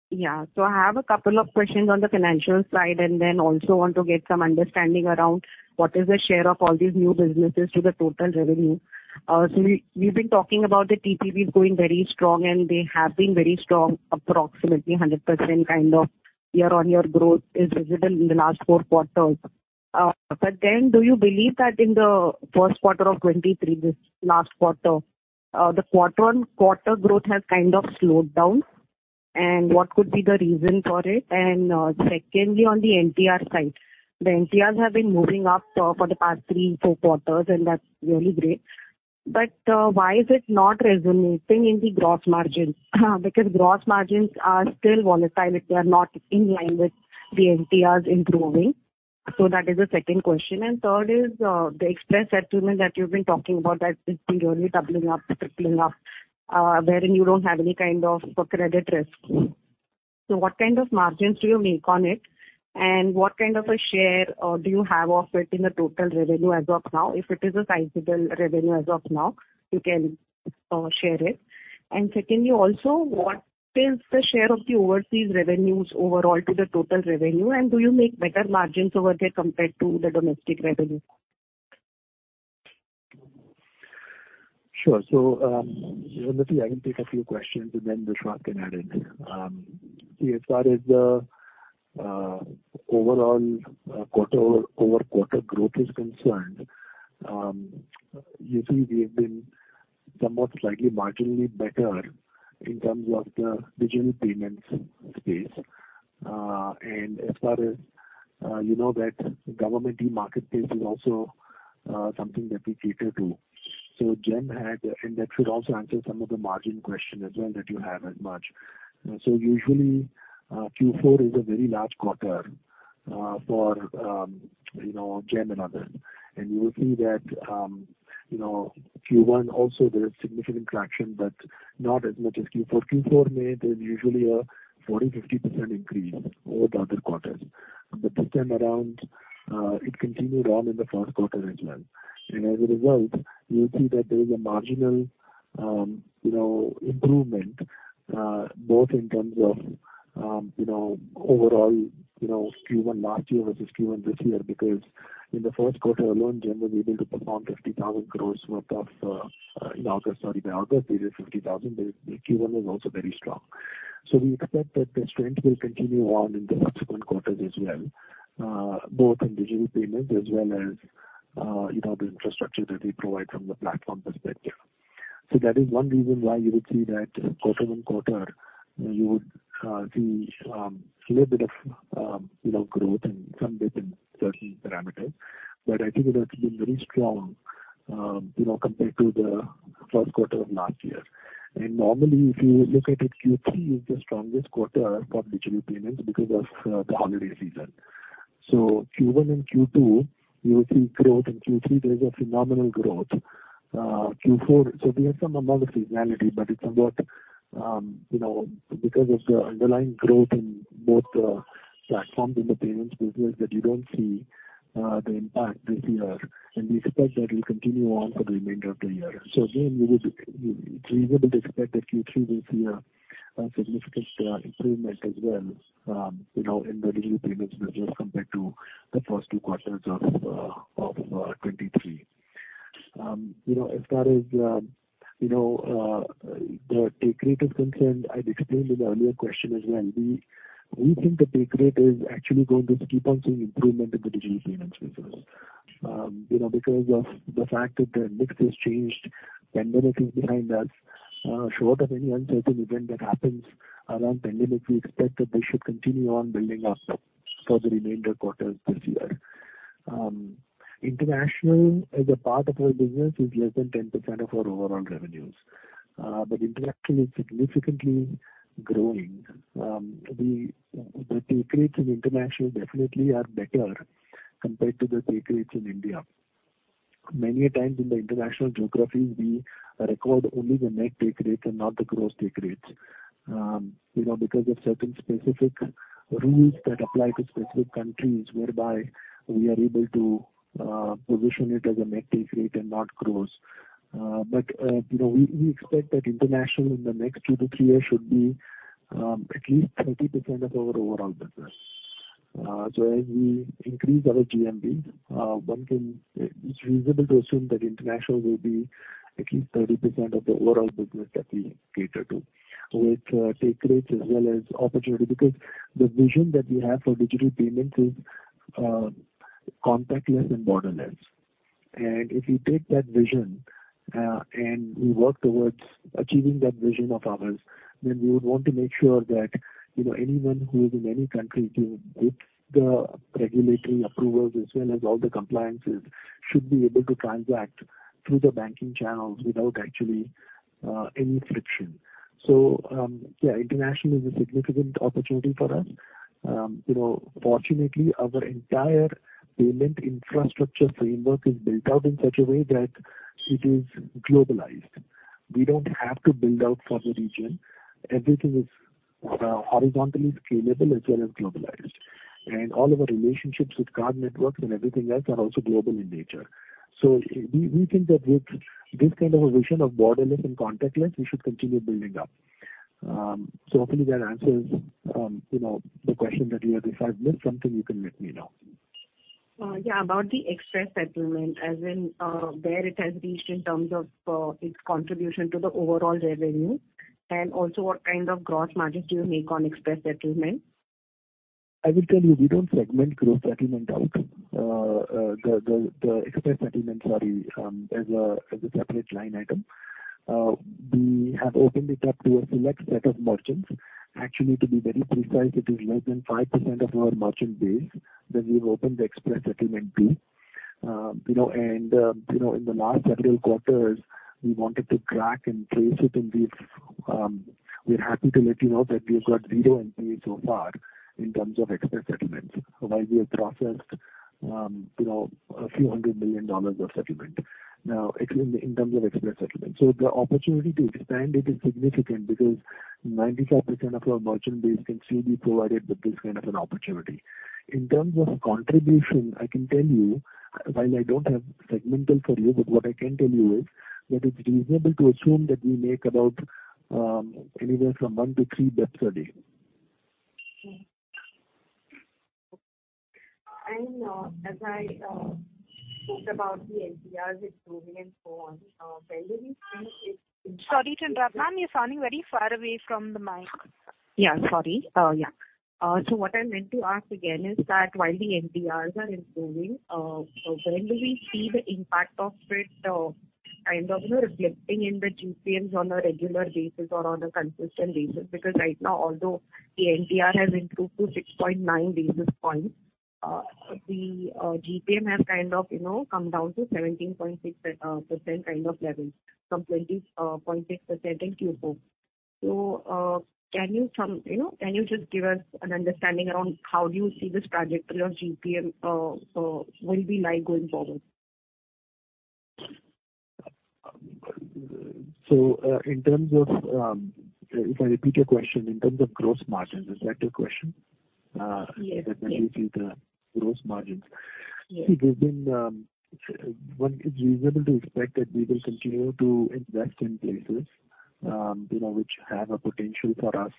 Yeah. I have a couple of questions on the financial side, and then also want to get some understanding around what is the share of all these new businesses to the total revenue. We've been talking about the TPVs growing very strong, and they have been very strong, approximately 100% kind of year-on-year growth is visible in the last four quarters. Do you believe that in the first quarter of 2023, this last quarter, the quarter-on-quarter growth has kind of slowed down? What could be the reason for it? Secondly, on the NTR side. The NTRs have been moving up for the past three, four quarters, and that's really great. Why is it not resonating in the gross margins? Because gross margins are still volatile if they are not in line with the NTRs improving. That is the second question. Third is the express settlement that you've been talking about that it's been really doubling up, tripling up, wherein you don't have any kind of a credit risk. What kind of margins do you make on it? What kind of a share do you have of it in the total revenue as of now? If it is a sizable revenue as of now, you can share it. Secondly, also, what is the share of the overseas revenues overall to the total revenue? Do you make better margins over there compared to the domestic revenue? Sure. I can take a few questions and then Vishwas can add in. See, as far as the overall quarter-over-quarter growth is concerned, usually we have been somewhat slightly marginally better in terms of the digital payments space. As far as you know, that Government e-Marketplace is also something that we cater to. That should also answer some of the margin question as well that you have as much. Usually, Q4 is a very large quarter for you know, GeM and others. You will see that you know, Q1 also there is significant traction, but not as much as Q4. There's usually a 40-50% increase over other quarters. This time around, it continued on in the first quarter as well. As a result, you'll see that there is a marginal, you know, improvement, both in terms of, you know, overall, you know, Q1 last year versus Q1 this year, because in the first quarter alone, GeM was able to perform 50,000 crore worth by August period. Q1 was also very strong. We expect that this trend will continue on in the subsequent quarters as well, both in digital payments as well as, you know, the infrastructure that we provide from the platform perspective. That is one reason why you would see that quarter-on-quarter, you would see little bit of, you know, growth and some bit in certain parameters. I think it has been very strong, you know, compared to the first quarter of last year. Normally, if you look at it, Q3 is the strongest quarter for digital payments because of the holiday season. So Q1 and Q2, you will see growth. In Q3, there is a phenomenal growth. Q4, so there's some amount of seasonality, but it's somewhat, you know, because of the underlying growth in both the platforms in the payments business that you don't see the impact this year. We expect that will continue on for the remainder of the year. So again, it's reasonable to expect that Q3 will see a significant improvement as well, you know, in the digital payments business compared to the first two quarters of 2023. You know, as far as the take rate is concerned, I'd explained in the earlier question as well. We think the take rate is actually going to keep on seeing improvement in the digital payments business, you know, because of the fact that the mix has changed. Pandemic is behind us. Short of any uncertain event that happens around pandemic, we expect that they should continue on building up for the remainder quarters this year. International as a part of our business is less than 10% of our overall revenues. International is significantly growing. The take rates in international definitely are better compared to the take rates in India. Many a times in the international geographies, we record only the net take rates and not the gross take rates, you know, because of certain specific rules that apply to specific countries, whereby we are able to position it as a net take rate and not gross. you know, we expect that international in the next 2-3 years should be at least 30% of our overall business. as we increase our GMV, it's reasonable to assume that international will be at least 30% of the overall business that we cater to with take rates as well as opportunity. Because the vision that we have for digital payments is contactless and borderless. if we take that vision and we work towards achieving that vision of ours, then we would want to make sure that you know, anyone who is in any country, with the regulatory approvals as well as all the compliances, should be able to transact through the banking channels without actually any friction. yeah, international is a significant opportunity for us. You know, fortunately, our entire payment infrastructure framework is built out in such a way that it is globalized. We don't have to build out for the region. Everything is horizontally scalable as well as globalized. All of our relationships with card networks and everything else are also global in nature. We think that with this kind of a vision of borderless and contactless, we should continue building up. Hopefully that answers, you know, the question that you had asked. If there's something, you can let me know. Yeah, about the express settlement, as in, where it has reached in terms of its contribution to the overall revenue. Also what kind of gross margins do you make on express settlement? I will tell you, we don't segment gross settlement out. The express settlement as a separate line item. We have opened it up to a select set of merchants. Actually, to be very precise, it is less than 5% of our merchant base that we've opened the express settlement to. You know, in the last several quarters, we wanted to track and trace it, and we're happy to let you know that we've got zero NPAs so far in terms of express settlements, while we have processed a few $100 million of settlement. Now, in terms of express settlement. The opportunity to expand it is significant because 95% of our merchant base can still be provided with this kind of an opportunity. In terms of contribution, I can tell you, while I don't have segmental for you, but what I can tell you is that it's reasonable to assume that we make about anywhere from 1-3 basis points. Okay. As I spoke about the NTR with earlier on, when do we see it? Sorry to interrupt, ma'am. You're sounding very far away from the mic. Yeah, sorry. What I meant to ask again is that while the NTRs are improving, when do we see the impact of it kind of, you know, reflecting in the GPMs on a regular basis or on a consistent basis? Because right now, although the NTR has improved to 6.9 basis points, the GPM has kind of, you know, come down to 17.6% kind of levels from 20.6% in Q4. You know, can you just give us an understanding around how do you see this trajectory of GPM will be like going forward? In terms of, if I repeat your question, in terms of gross margins, is that your question? Yes. The gross margins. Yes. See, one is reasonable to expect that we will continue to invest in places, you know, which have a potential for us.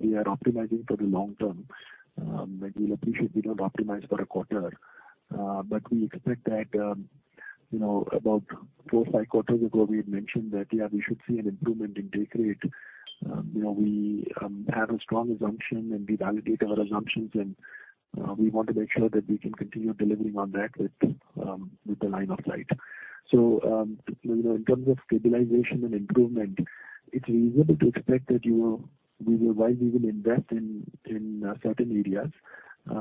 We are optimizing for the long term. You'll appreciate we don't optimize for a quarter. We expect that, you know, about 4, 5 quarters ago, we had mentioned that, yeah, we should see an improvement in take rate. You know, we have a strong assumption, and we validate our assumptions, and we want to make sure that we can continue delivering on that with the line of sight. You know, in terms of stabilization and improvement, it's reasonable to expect that we will wisely even invest in certain areas,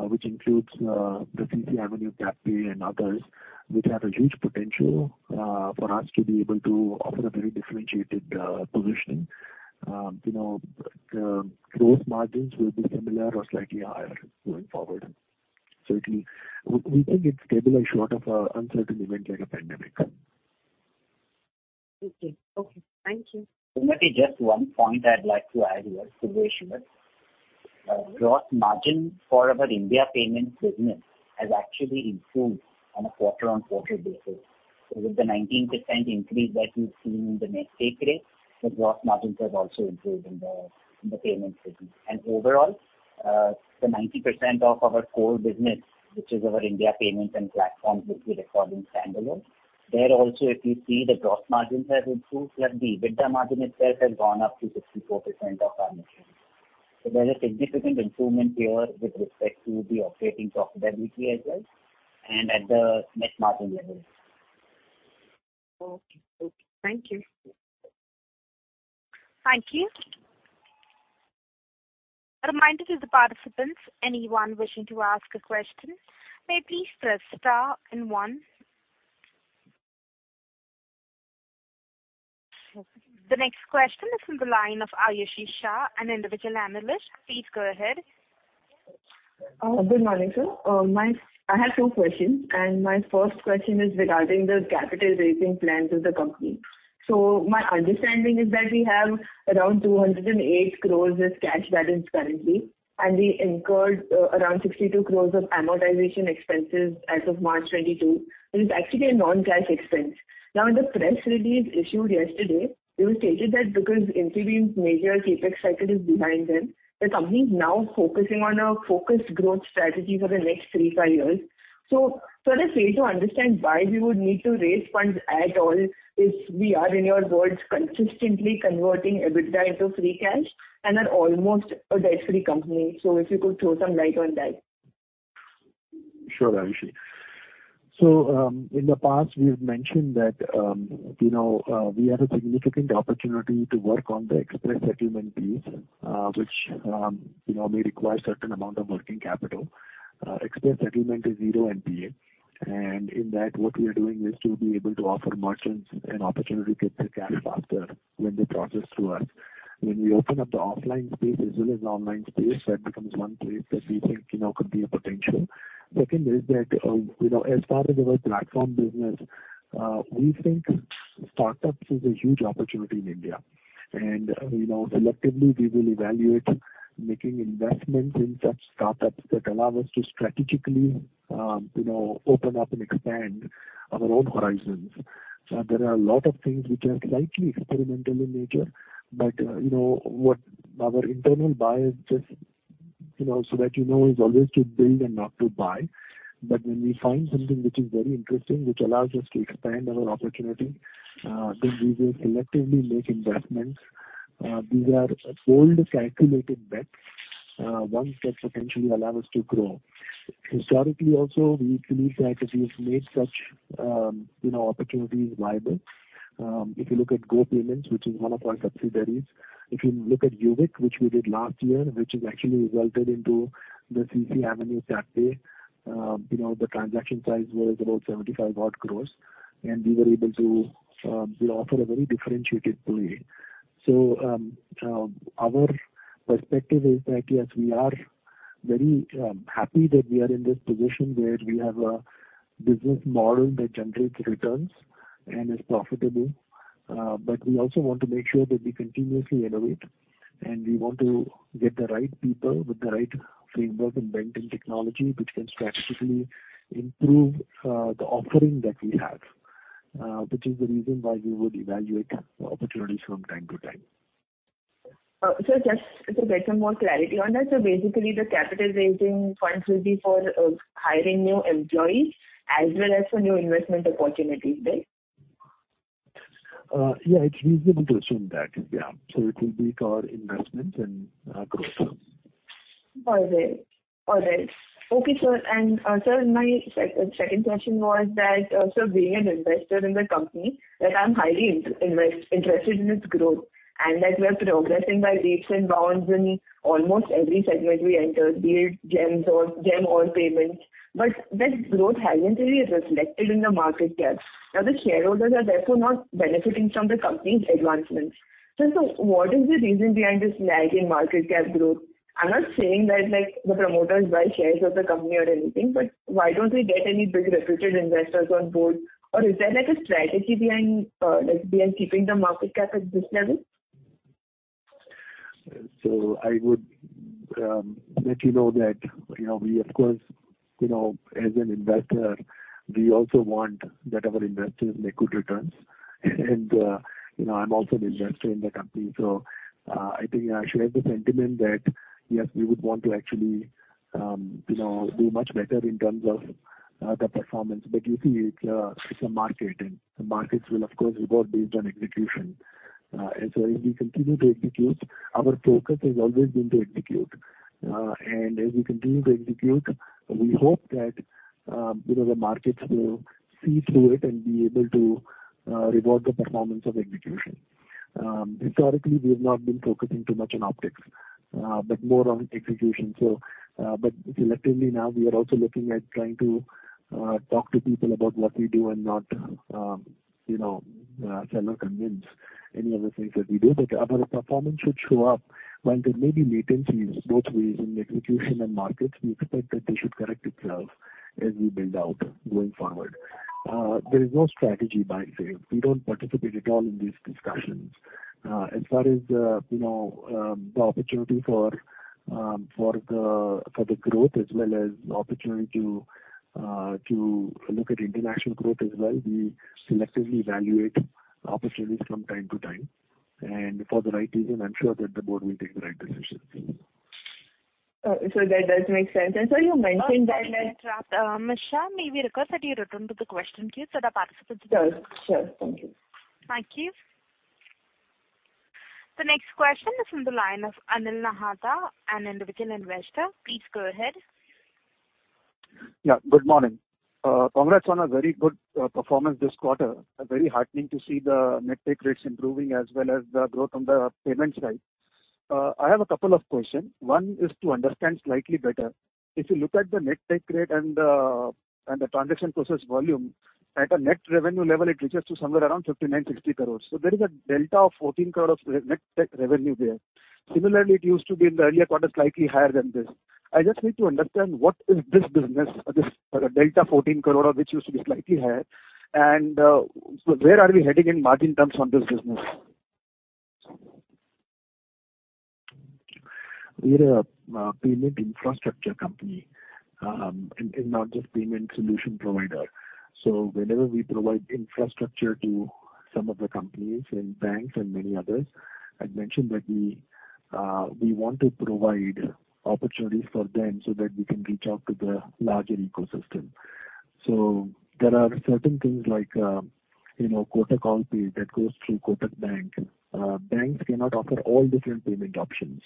which includes the CCAvenue TapPay and others, which have a huge potential for us to be able to offer a very differentiated positioning. You know, gross margins will be similar or slightly higher going forward. Certainly, we think it's stable and short of an uncertain event like a pandemic. Okay. Thank you. Sumati, just one point I'd like to add here. Subhash here. Gross margin for our India payments business has actually improved on a quarter-on-quarter basis. With the 19% increase that you've seen in the net take rate, the gross margins have also improved in the payments business. Overall, the 90% of our core business, which is our India payments and platforms, which we record in standalone. There also, if you see the gross margins have improved, like the EBITDA margin itself has gone up to 64% of our revenue. There's a significant improvement here with respect to the operating profitability as well and at the net margin levels. Okay. Okay. Thank you. Thank you. A reminder to the participants, anyone wishing to ask a question may please press star and one. The next question is from the line of Aayushi Shah, an individual analyst. Please go ahead. Good morning, sir. I have two questions, and my first question is regarding the capital raising plans of the company. My understanding is that we have around 208 crores as cash balance currently, and we incurred around 62 crores of amortization expenses as of March 2022, which is actually a non-cash expense. Now, in the press release issued yesterday, you stated that because Infibeam major CapEx cycle is behind them, the company is now focusing on a focused growth strategy for the next 3-5 years. I just fail to understand why we would need to raise funds at all if we are, in your words, consistently converting EBITDA into free cash and are almost a debt-free company. If you could throw some light on that. Sure, Aayushi. In the past, we've mentioned that, you know, we have a significant opportunity to work on the express settlement piece, which, you know, may require certain amount of working capital. Express settlement is zero NPA. In that, what we are doing is to be able to offer merchants an opportunity to get their cash faster when they process through us. When we open up the offline space as well as online space, that becomes one place that we think, you know, could be a potential. Second is that, you know, as far as our platform business, we think startups is a huge opportunity in India. You know, selectively, we will evaluate making investments in such startups that allow us to strategically, you know, open up and expand our own horizons. There are a lot of things which are slightly experimental in nature. You know, what our internal bias is always to build and not to buy. When we find something which is very interesting, which allows us to expand our opportunity, then we will selectively make investments. These are bold calculated bets, ones that potentially allow us to grow. Historically also, we believe that we've made such, you know, opportunities viable. If you look at Go Payments, which is one of our subsidiaries. If you look at Uvik, which we did last year, which has actually resulted into the CCAvenue TapPay. You know, the transaction size was about 75-odd crore, and we were able to, you know, offer a very differentiated play. Our perspective is that, yes, we are very happy that we are in this position where we have a business model that generates returns and is profitable. We also want to make sure that we continuously innovate, and we want to get the right people with the right framework and bent in technology which can strategically improve the offering that we have. Which is the reason why we would evaluate opportunities from time to time. Just to get some more clarity on that. Basically, the capital raising funds will be for hiring new employees as well as for new investment opportunities, right? Yeah, it's reasonable to assume that. Yeah. It will be for investments and growth. All right. Okay, sir. Sir, my second question was that, so being an investor in the company that I'm highly interested in its growth and that we're progressing by leaps and bounds in almost every segment we enter, be it GeM or payments. That growth hasn't really reflected in the market cap. Now, the shareholders are therefore not benefiting from the company's advancements. What is the reason behind this lag in market cap growth? I'm not saying that like the promoters buy shares of the company or anything, but why don't we get any big reputed investors on board? Or is there like a strategy behind, like behind keeping the market cap at this level? I would let you know that, you know, we of course, you know, as an investor, we also want that our investors make good returns. You know, I'm also an investor in the company, so, I think I share the sentiment that, yes, we would want to actually, you know, do much better in terms of, the performance. But you see, it's a market, and the markets will of course reward based on execution. As we continue to execute, our focus has always been to execute. As we continue to execute, we hope that, you know, the markets will see through it and be able to, reward the performance of execution. Historically, we have not been focusing too much on optics, but more on execution. Selectively now we are also looking at trying to talk to people about what we do and not, you know, sell or convince any of the things that we do. Our performance should show up. While there may be latencies both ways in execution and markets, we expect that they should correct itself as we build out going forward. There is no buy-side strategy. We don't participate at all in these discussions. As far as, you know, the opportunity for the growth as well as the opportunity to look at international growth as well, we selectively evaluate opportunities from time to time. For the right reason, I'm sure that the board will take the right decisions. That does make sense. You mentioned that. Okay. Ms. Shah, may we request that you return to the question queue so the participant. Sure. Sure. Thank you. Thank you. The next question is from the line of Anil Nahata, an individual investor. Please go ahead. Yeah. Good morning. Congrats on a very good performance this quarter. Very heartening to see the net take rates improving as well as the growth on the payment side. I have a couple of questions. One is to understand slightly better. If you look at the net take rate and the transaction processing volume, at a net revenue level, it reaches to somewhere around 59 crore-60 crore. So there is a delta of 14 crore of net take revenue there. Similarly, it used to be in the earlier quarter, slightly higher than this. I just need to understand what is this business or a delta 14 crore of which used to be slightly higher. Where are we heading in margin terms on this business? We are a payment infrastructure company and not just payment solution provider. Whenever we provide infrastructure to some of the companies and banks and many others, I'd mentioned that we want to provide opportunities for them so that we can reach out to the larger ecosystem. There are certain things like, you know, Kotak AllPay that goes through Kotak Bank. Banks cannot offer all different payment options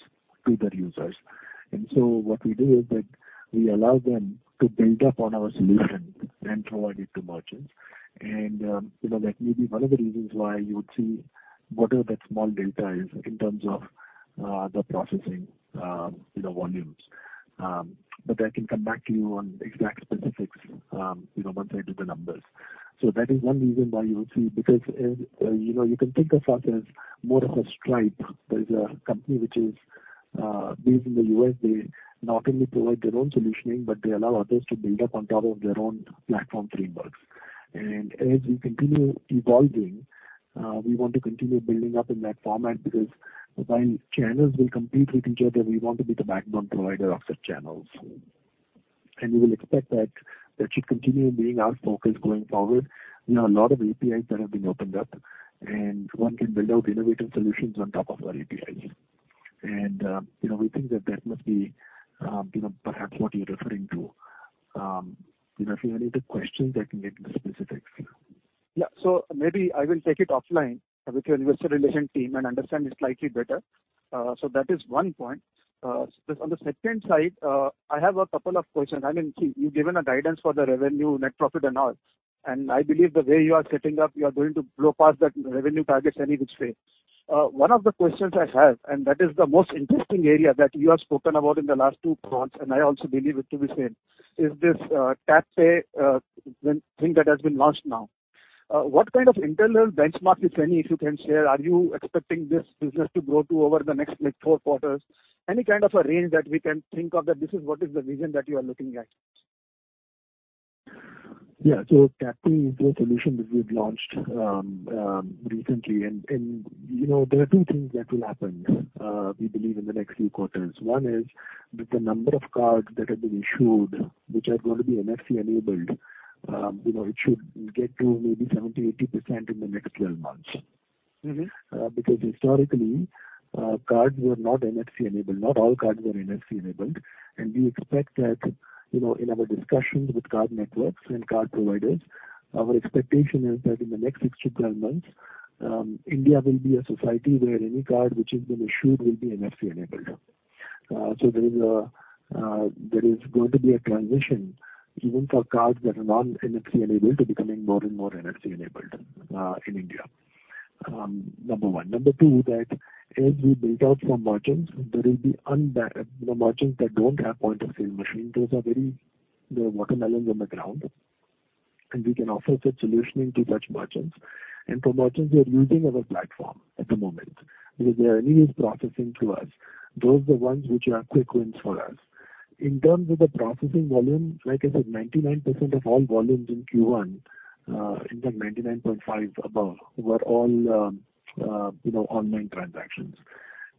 to their users. What we do is that we allow them to build up on our solution and provide it to merchants. You know, that may be one of the reasons why you would see whatever that small delta is in terms of the processing volumes. I can come back to you on exact specifics, you know, once I do the numbers. That is one reason why you would see. Because, you know, you can think of us as more of a Stripe. There is a company which is based in the US. They not only provide their own solutioning, but they allow others to build up on top of their own platform frameworks. As we continue evolving, we want to continue building up in that format because while channels will compete with each other, we want to be the backbone provider of such channels. We will expect that should continue being our focus going forward. There are a lot of APIs that have been opened up, and one can build out innovative solutions on top of our APIs. You know, we think that must be, you know, perhaps what you're referring to. You know, if you have any questions, I can get into specifics. Yeah. Maybe I will take it offline with your investor relation team and understand it slightly better. That is one point. On the second side, I have a couple of questions. I mean, see, you've given a guidance for the revenue, net profit and all. I believe the way you are setting up, you are going to blow past that revenue targets any which way. One of the questions I have, and that is the most interesting area that you have spoken about in the last two quarters, and I also believe it to be same, is this, TapPay thing that has been launched now. What kind of internal benchmark, if any, you can share? Are you expecting this business to grow to over the next like four quarters? Any kind of a range that we can think of that this is what is the vision that you are looking at? Yeah. TapPay is a solution which we've launched recently. You know there are two things that will happen, we believe in the next few quarters. One is that the number of cards that have been issued which are going to be NFC enabled. You know, it should get to maybe 70%-80% in the next 12 months. Mm-hmm. Because historically, cards were not NFC-enabled. Not all cards were NFC-enabled. We expect that, you know, in our discussions with card networks and card providers, our expectation is that in the next 6-12 months, India will be a society where any card which has been issued will be NFC-enabled. There is going to be a transition even for cards that are non-NFC-enabled to becoming more and more NFC-enabled, in India. Number one. Number two, that as we build out from merchants, there will be the merchants that don't have point-of-sale machine. Those are very. They are watermelons on the ground, and we can offer such solution into such merchants. For merchants who are using our platform at the moment, because they are already processing through us, those are the ones which are quick wins for us. In terms of the processing volume, like I said, 99% of all volumes in Q1, in fact 99.5% above, were all, you know, online transactions.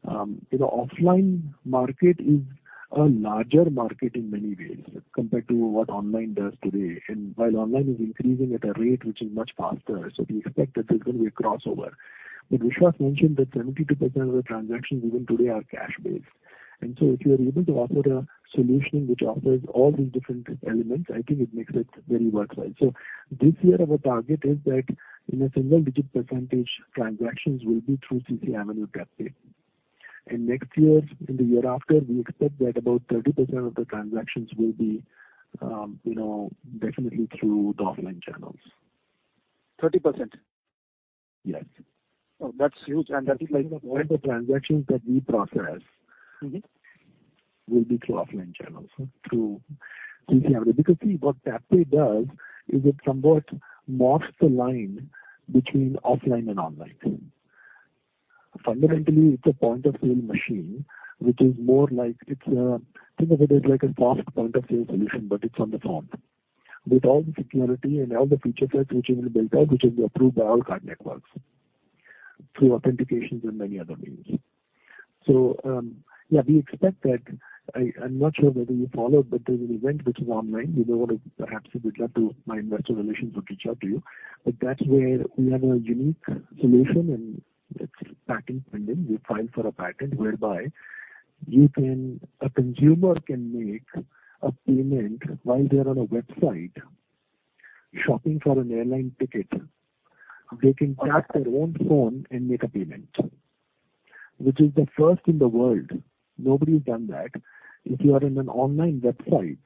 You know, offline market is a larger market in many ways compared to what online does today. While online is increasing at a rate which is much faster, so we expect that there's gonna be a crossover. Vishwas mentioned that 72% of the transactions even today are cash-based. If you are able to offer a solution which offers all these different elements, I think it makes it very worthwhile. This year our target is that in a single-digit %, transactions will be through CCAvenue TapPay. Next year and the year after, we expect that about 30% of the transactions will be, you know, definitely through the offline channels. 30%? Yes. Oh, that's huge. That is like. All the transactions that we process. Mm-hmm. It will be through offline channels, through CCAvenue. Because see, what CCAvenue TapPay does is it somewhat morphs the line between offline and online. Fundamentally, it's a point-of-sale machine, which is more like it's a. Think of it as like a POS point-of-sale solution, but it's on the phone with all the security and all the feature sets which have been built out, which have been approved by all card networks through authentications and many other means. We expect that. I'm not sure whether you followed, but there's an event which is online. Perhaps it would help to. My investor relations will reach out to you. But that's where we have a unique solution, and it's patent pending. We filed for a patent whereby a consumer can make a payment while they're on a website shopping for an airline ticket. They can tap their own phone and make a payment, which is the first in the world. Nobody's done that. If you are in an online website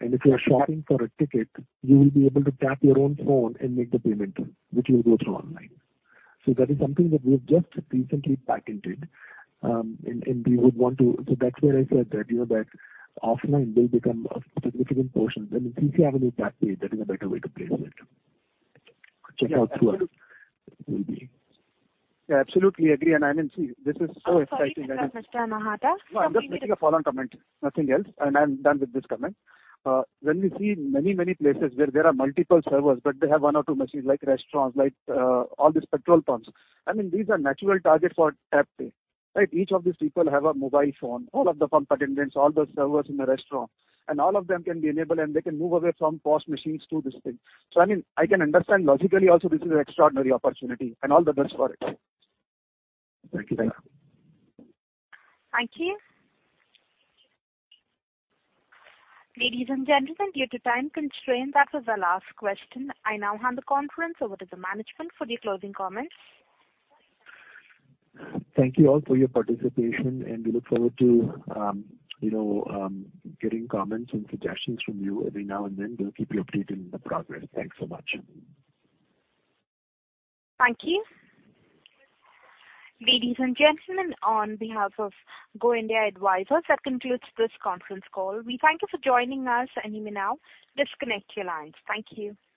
and if you are shopping for a ticket, you will be able to tap your own phone and make the payment, which will go through online. That is something that we've just recently patented, and we would want to. That's where I said that, you know, that offline will become a significant portion. The CCAvenue TapPay, that is a better way to place it. Check out through it. Yeah, absolutely agree. I mean, see, this is so exciting. Oh, sorry. This is for Mr. Vishal Mehta. No, I'm just making a follow-on comment, nothing else. I'm done with this comment. When we see many, many places where there are multiple servers, but they have one or two machines, like restaurants, like, all these petrol pumps, I mean, these are natural targets for TapPay, right? Each of these people have a mobile phone, all of the pump attendants, all the servers in the restaurant, and all of them can be enabled, and they can move away from POS machines to this thing. I mean, I can understand logically also this is an extraordinary opportunity, and all the best for it. Thank you. Thank you. Ladies and gentlemen, due to time constraint, that was the last question. I now hand the conference over to the management for the closing comments. Thank you all for your participation, and we look forward to, you know, getting comments and suggestions from you every now and then. We'll keep you updated on the progress. Thanks so much. Thank you. Ladies and gentlemen, on behalf of Go India Advisors, that concludes this conference call. We thank you for joining us, and you may now disconnect your lines. Thank you.